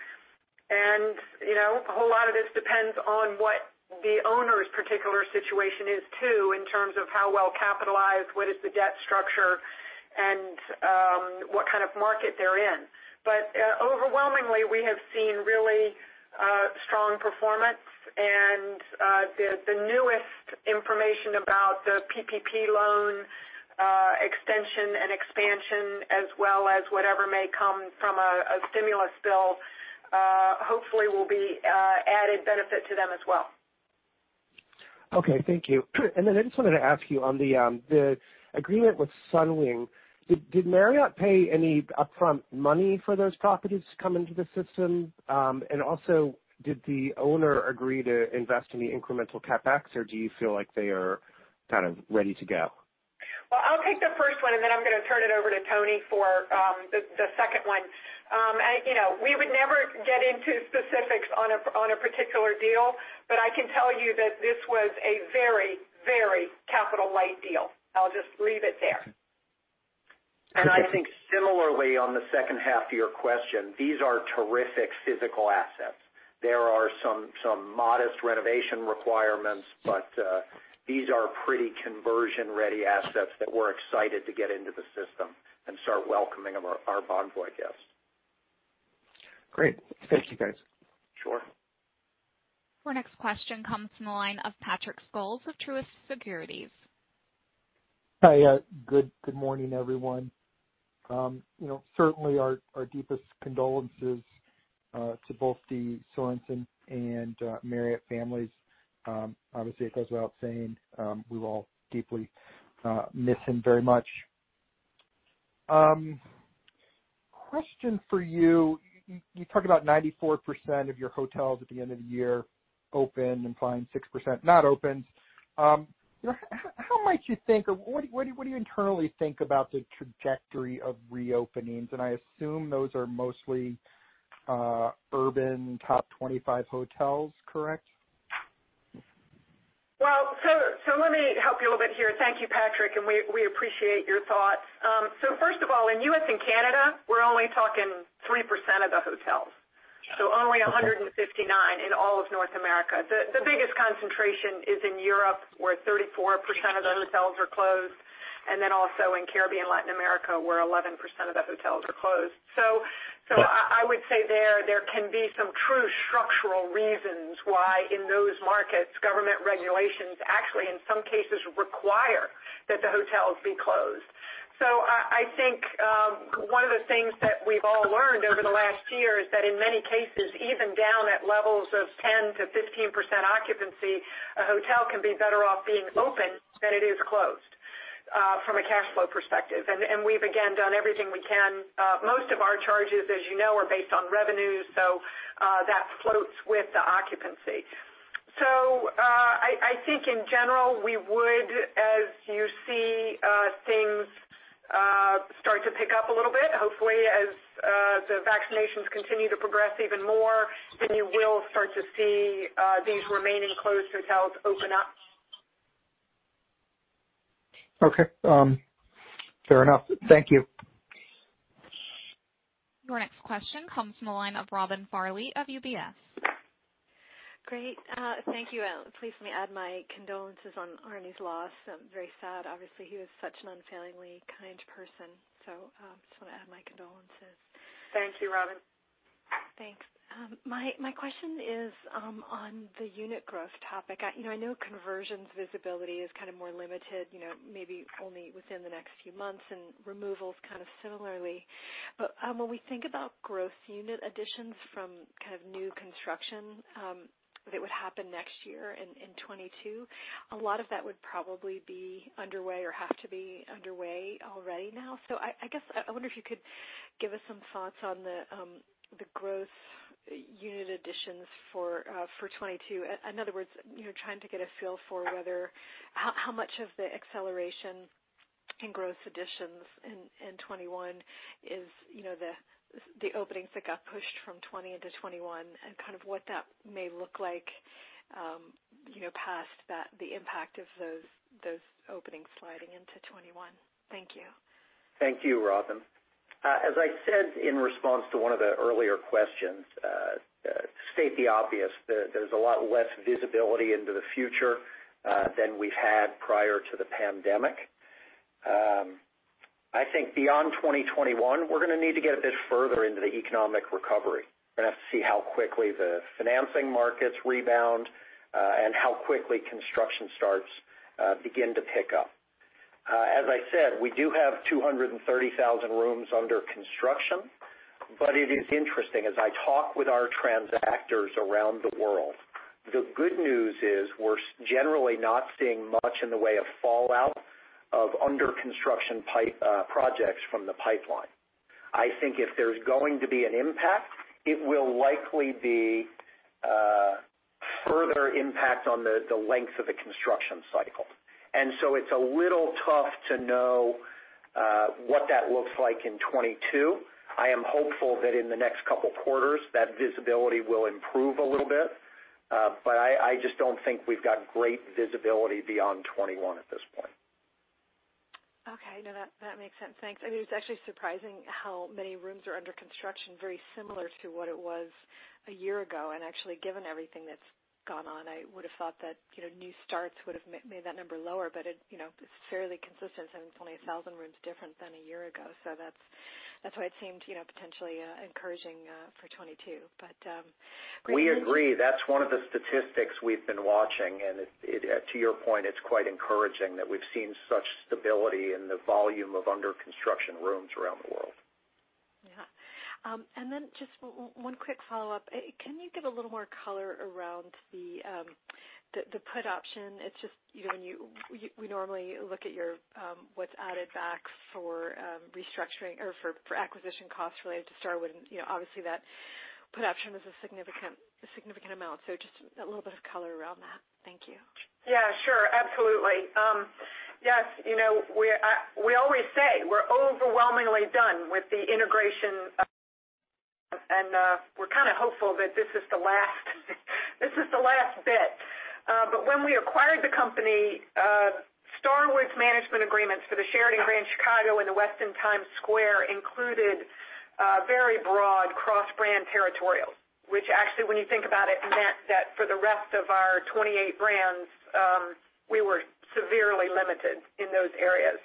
A whole lot of this depends on what the owner's particular situation is too, in terms of how well-capitalized, what is the debt structure, and what kind of market they're in. Overwhelmingly, we have seen really strong performance, and the newest information about the PPP loan extension and expansion, as well as whatever may come from a stimulus bill, hopefully will be added benefit to them as well. Okay, thank you. I just wanted to ask you on the agreement with Sunwing, did Marriott pay any upfront money for those properties to come into the system? Did the owner agree to invest in the incremental CapEx, or do you feel like they are kind of ready to go? Well, I'll take the first one, and then I'm going to turn it over to Tony for the second one. We would never get into specifics on a particular deal, but I can tell you that this was a very capital-light deal. I'll just leave it there. Okay. I think similarly on the H2 of your question, these are terrific physical assets. There are some modest renovation requirements, but these are pretty conversion-ready assets that we're excited to get into the system and start welcoming our Bonvoy guests. Great. Thank you, guys. Sure. Our next question comes from the line of Patrick Scholes of Truist Securities. Hi. Good morning, everyone. Certainly, our deepest condolences to both the Sorenson and Marriott families. It goes without saying we will all deeply miss him very much. Question for you. You talk about 94% of your hotels at the end of the year open and fine, 6% not opened. How might you think, or what do you internally think about the trajectory of reopenings? I assume those are mostly urban top 25 hotels, correct? Well, let me help you a little bit here. Thank you, Patrick. We appreciate your thoughts. First of all, in U.S. and Canada, we're only talking 3% of the hotels. Got it. Only 159 in all of North America. The biggest concentration is in Europe, where 34% of the hotels are closed, and then also in Caribbean, Latin America, where 11% of the hotels are closed. I would say there can be some true structural reasons why in those markets, government regulations actually, in some cases, require that the hotels be closed. I think one of the things that we've all learned over the last year is that in many cases, even down at levels of 10%-15% occupancy, a hotel can be better off being open than it is closed from a cash flow perspective. We've again done everything we can. Most of our charges, as you know, are based on revenues, so that floats with the occupancy. I think in general, we would, as you see things start to pick up a little bit, hopefully as the vaccinations continue to progress even more, then you will start to see these remaining closed hotels open up. Okay. Fair enough. Thank you. Your next question comes from the line of Robin Farley of UBS. Great. Thank you. Please let me add my condolences on Arne's loss. Very sad. Obviously, he was such an unfailingly kind person. Just want to add my condolences. Thank you, Robin. Thanks. My question is on the unit growth topic. I know conversions visibility is kind of more limited, maybe only within the next few months, and removals kind of similarly. When we think about growth unit additions from kind of new construction that would happen next year in 2022, a lot of that would probably be underway or have to be underway already now. I guess, I wonder if you could give us some thoughts on the growth unit additions for 2022. In other words, trying to get a feel for how much of the acceleration in growth additions in 2021 is the openings that got pushed from 2020 into 2021, and what that may look like past the impact of those openings sliding into 2021. Thank you. Thank you, Robin. As I said in response to one of the earlier questions, to state the obvious, there's a lot less visibility into the future than we've had prior to the pandemic. I think beyond 2021, we're going to need to get a bit further into the economic recovery. We're going to have to see how quickly the financing markets rebound, and how quickly construction starts begin to pick up. As I said, we do have 230,000 rooms under construction, but it is interesting. As I talk with our transactors around the world, the good news is we're generally not seeing much in the way of fallout of under-construction projects from the pipeline. I think if there's going to be an impact, it will likely be further impact on the length of the construction cycle. It's a little tough to know what that looks like in 2022. I am hopeful that in the next couple of quarters, that visibility will improve a little bit. I just don't think we've got great visibility beyond 2021 at this point. Okay. No, that makes sense. Thanks. It's actually surprising how many rooms are under construction, very similar to what it was a year ago. Actually, given everything that's gone on, I would've thought that new starts would've made that number lower. It's fairly consistent, saying it's only 1,000 rooms different than a year ago. That's why it seemed potentially encouraging for 2022. Great. We agree. That's one of the statistics we've been watching, and to your point, it's quite encouraging that we've seen such stability in the volume of under-construction rooms around the world. Yeah. Just one quick follow-up. Can you give a little more color around the put option? We normally look at what's added back for restructuring or for acquisition costs related to Starwood, obviously that put option was a significant amount. Just a little bit of color around that. Thank you. Yeah, sure. Absolutely. Yes. We always say we're overwhelmingly done with the integration, we're kind of hopeful that this is the last bit. When we acquired the company, Starwood's management agreements for the Sheraton Grand Chicago and the Westin Times Square included very broad cross-brand territorials, which actually, when you think about it, meant that for the rest of our 28 brands, we were severely limited in those areas.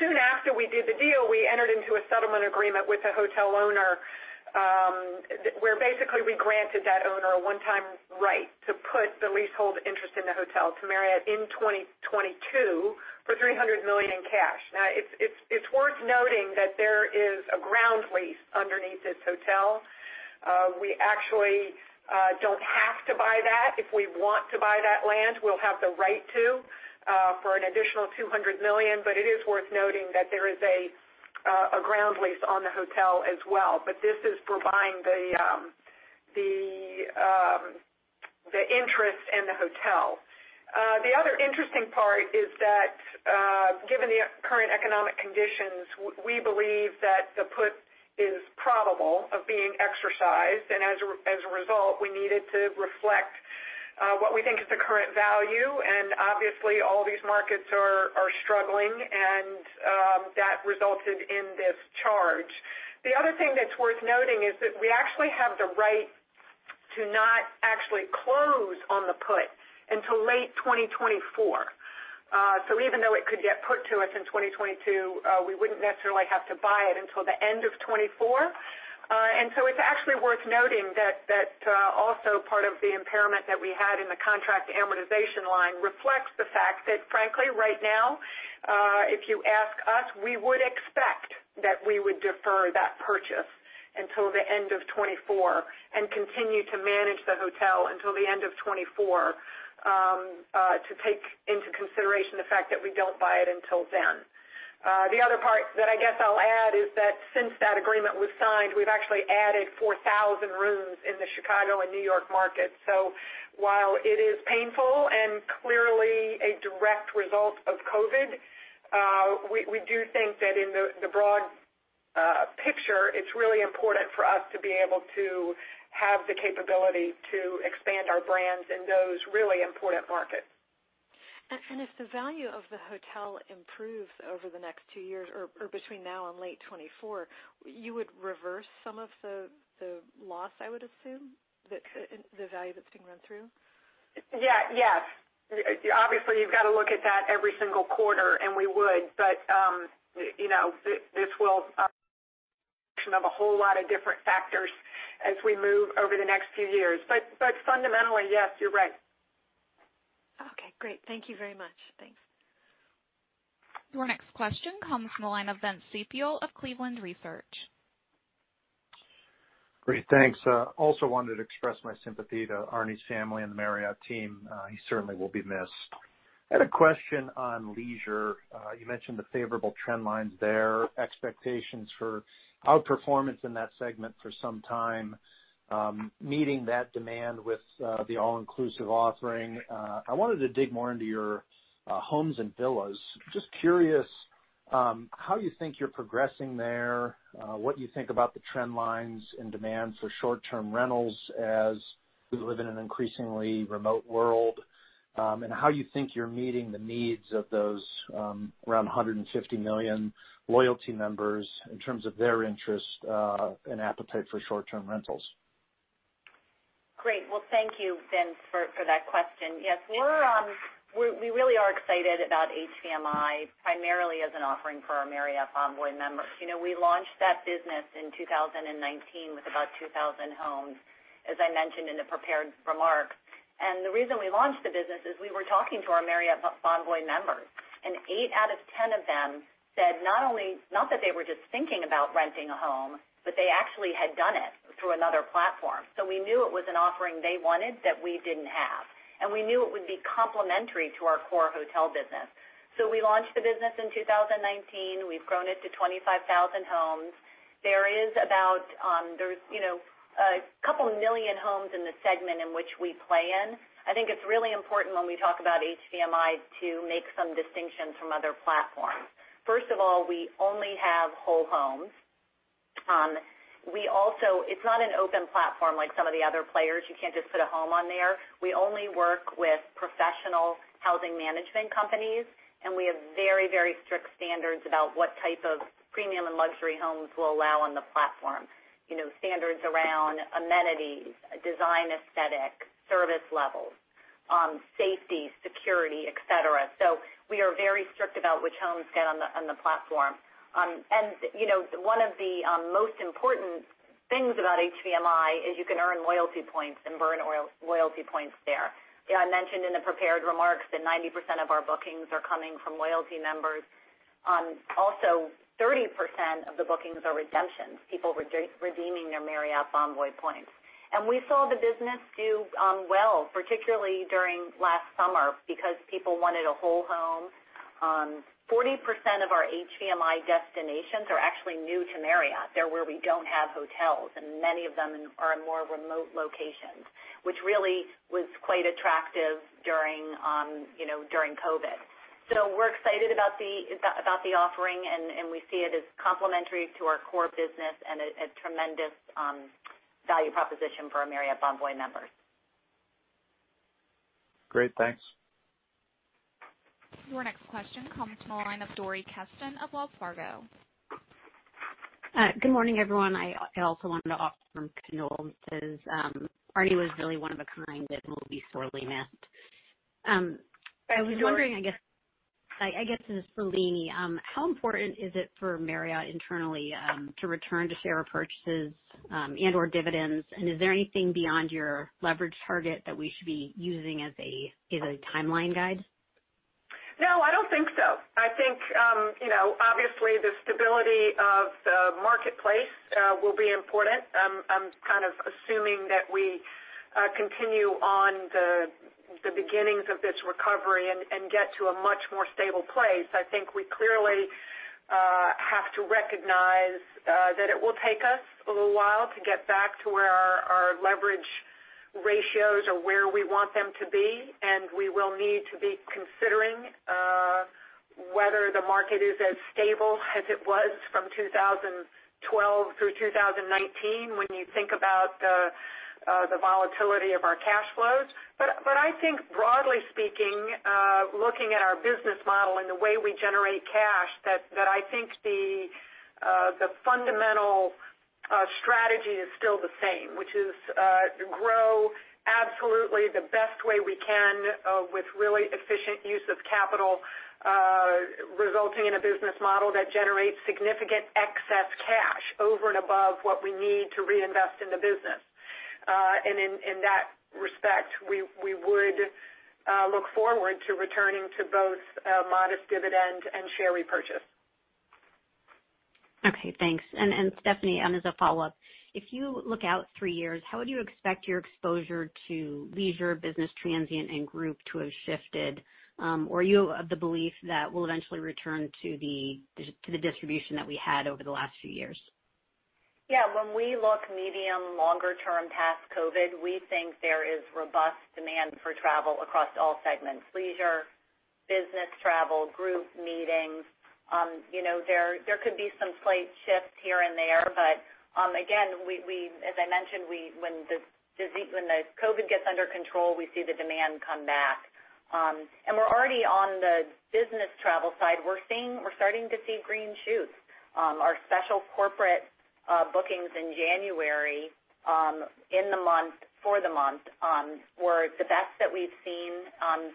Soon after we did the deal, we entered into a settlement agreement with the hotel owner where basically we granted that owner a one-time right to put the leasehold interest in the hotel to Marriott in 2022 for $300 million in cash. Now, it's worth noting that there is a ground lease underneath this hotel. We actually don't have to buy that. If we want to buy that land, we'll have the right to for an additional $200 million. It is worth noting that there is a ground lease on the hotel as well. This is for buying the interest in the hotel. The other interesting part is that given the current economic conditions, we believe that the put is probable of being exercised, and as a result, we needed to reflect what we think is the current value. Obviously, all these markets are struggling, and that resulted in this charge. The other thing that's worth noting is that we actually have the right to not actually close on the put until late 2024. Even though it could get put to us in 2022, we wouldn't necessarily have to buy it until the end of 2024. It's actually worth noting that also part of the impairment that we had in the contract amortization line reflects the fact that frankly, right now, if you ask us, we would expect that we would defer that purchase until the end of 2024 and continue to manage the hotel until the end of 2024 to take into consideration the fact that we don't buy it until then. The other part that I guess I'll add is that since that agreement was signed, we've actually added 4,000 rooms in the Chicago and New York markets. While it is painful and clearly a direct result of COVID, we do think that in the broad picture, it's really important for us to be able to have the capability to expand our brands in those really important markets. If the value of the hotel improves over the next two years or between now and late 2024, you would reverse some of the loss, I would assume? The value that's being run through? Yes. Obviously, you've got to look at that every single quarter, and we would. This will have a whole lot of different factors as we move over the next few years. Fundamentally, yes, you're right. Okay, great. Thank you very much. Thanks. Your next question comes from the line of Ben Sepio of Cleveland Research. Great. Thanks. Also wanted to express my sympathy to Arne's family and the Marriott team. He certainly will be missed. I had a question on leisure. You mentioned the favorable trend lines there, expectations for outperformance in that segment for some time, meeting that demand with the all-inclusive offering. I wanted to dig more into your Homes & Villas. Just curious how you think you're progressing there, what you think about the trend lines and demands for short-term rentals as we live in an increasingly remote world, and how you think you're meeting the needs of those around 150 million loyalty members in terms of their interest and appetite for short-term rentals. Great. Well, thank you, Vince, for that question. Yes, we really are excited about HVMI, primarily as an offering for our Marriott Bonvoy members. We launched that business in 2019 with about 2,000 homes, as I mentioned in the prepared remarks. The reason we launched the business is we were talking to our Marriott Bonvoy members, and eight out of 10 of them said not that they were just thinking about renting a home, but they actually had done it through another platform. We knew it was an offering they wanted that we didn't have. We knew it would be complementary to our core hotel business. We launched the business in 2019. We've grown it to 25,000 homes. There is a couple million homes in the segment in which we play in. I think it's really important when we talk about HVMI to make some distinctions from other platforms. First of all, we only have whole homes. It's not an open platform like some of the other players. You can't just put a home on there. We only work with professional housing management companies, and we have very strict standards about what type of premium and luxury homes we'll allow on the platform. Standards around amenities, design aesthetic, service levels, safety, security, et cetera. We are very strict about which homes get on the platform. One of the most important things about HVMI is you can earn loyalty points and burn loyalty points there. I mentioned in the prepared remarks that 90% of our bookings are coming from loyalty members. Also, 30% of the bookings are redemptions, people redeeming their Marriott Bonvoy points. We saw the business do well, particularly during last summer, because people wanted a whole home. 40% of our HVMI destinations are actually new to Marriott. They're where we don't have hotels, and many of them are in more remote locations, which really was quite attractive during COVID-19. We're excited about the offering, and we see it as complementary to our core business and a tremendous value proposition for our Marriott Bonvoy members. Great, thanks. Your next question comes from the line of Dori Kesten of Wells Fargo. Good morning, everyone. I also wanted to offer condolences. Arne was really one of a kind and will be sorely missed. Thanks, Dori. I was wondering, I guess this is for Leeny, how important is it for Marriott internally to return to share repurchases and/or dividends? Is there anything beyond your leverage target that we should be using as a timeline guide? No, I don't think so. I think obviously the stability of the marketplace will be important. I'm kind of assuming that we continue on the beginnings of this recovery and get to a much more stable place. I think we clearly have to recognize that it will take us a little while to get back to where our leverage ratios are where we want them to be, and we will need to be considering whether the market is as stable as it was from 2012 through 2019, when you think about the volatility of our cash flows. I think broadly speaking, looking at our business model and the way we generate cash, that I think the fundamental strategy is still the same, which is to grow absolutely the best way we can with really efficient use of capital resulting in a business model that generates significant excess cash over and above what we need to reinvest in the business. In that respect, we would look forward to returning to both a modest dividend and share repurchase. Okay, thanks. Stephanie, as a follow-up, if you look out three years, how would you expect your exposure to leisure, business transient, and group to have shifted? Are you of the belief that we'll eventually return to the distribution that we had over the last few years? Yeah. When we look medium, longer term, past COVID, we think there is robust demand for travel across all segments, leisure, business travel, group meetings. There could be some slight shifts here and there. Again, as I mentioned, when COVID gets under control, we see the demand come back. We're already on the business travel side. We're starting to see green shoots. Our special corporate bookings in January, in the month, for the month, were the best that we've seen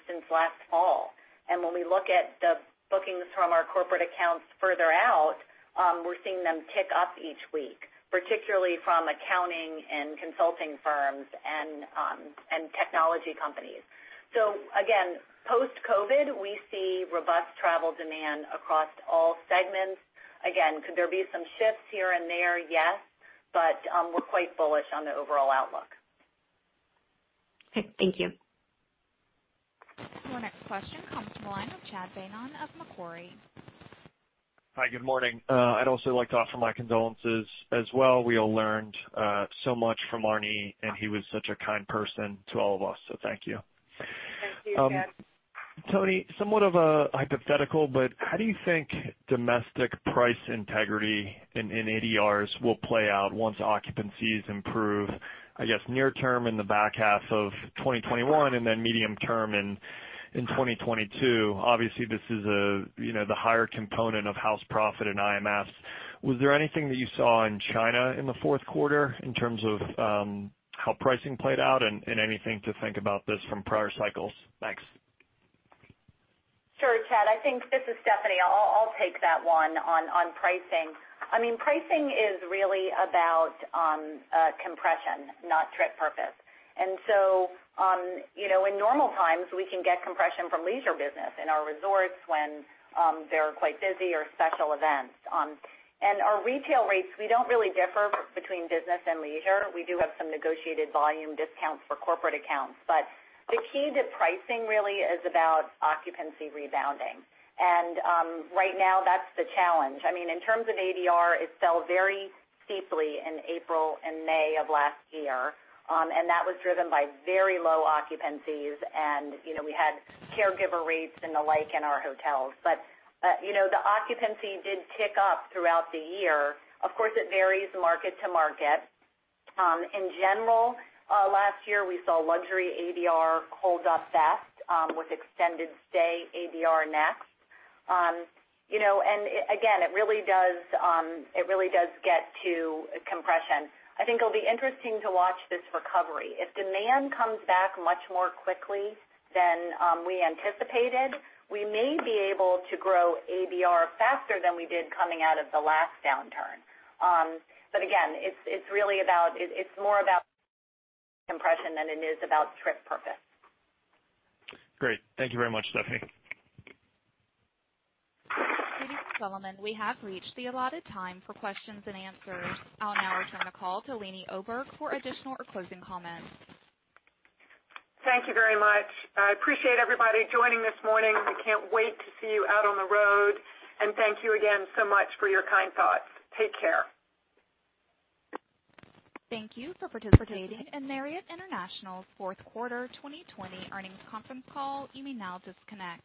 since last fall. When we look at the bookings from our corporate accounts further out, we're seeing them tick up each week, particularly from accounting and consulting firms and technology companies. robust travel demand across all segments. Again, could there be some shifts here and there? Yes. We're quite bullish on the overall outlook. Okay, thank you. Your next question comes from the line of Chad Beynon of Macquarie. Hi, good morning. I'd also like to offer my condolences as well. We all learned so much from Arne, and he was such a kind person to all of us, so thank you. Thank you, Chad. Tony, somewhat of a hypothetical, how do you think domestic price integrity in ADRs will play out once occupancies improve, I guess near term in the back half of 2021 and then medium term in 2022? Obviously, this is the higher component of house profit and IMFs. Was there anything that you saw in China in the Q4 in terms of how pricing played out and anything to think about this from prior cycles? Thanks. Sure, Chad, this is Stephanie. I'll take that one on pricing. Pricing is really about compression, not trip purpose. In normal times, we can get compression from leisure business in our resorts when they're quite busy or special events. Our retail rates, we don't really differ between business and leisure. We do have some negotiated volume discounts for corporate accounts. The key to pricing really is about occupancy rebounding. Right now, that's the challenge. In terms of ADR, it fell very steeply in April and May of last year, and that was driven by very low occupancies. We had caregiver rates and the like in our hotels. The occupancy did tick up throughout the year. Of course, it varies market to market. In general, last year, we saw luxury ADR hold up best with extended stay ADR next. Again, it really does get to compression. I think it'll be interesting to watch this recovery. If demand comes back much more quickly than we anticipated, we may be able to grow ADR faster than we did coming out of the last downturn. Again, it's more about compression than it is about trip purpose. Great. Thank you very much, Stephanie. Ladies and gentlemen, we have reached the allotted time for questions and answers. I'll now return the call to Leeny Oberg for additional or closing comments. Thank you very much. I appreciate everybody joining this morning. We can't wait to see you out on the road. Thank you again so much for your kind thoughts. Take care. Thank you for participating in Marriott International's Q4 2020 earnings conference call. You may now disconnect.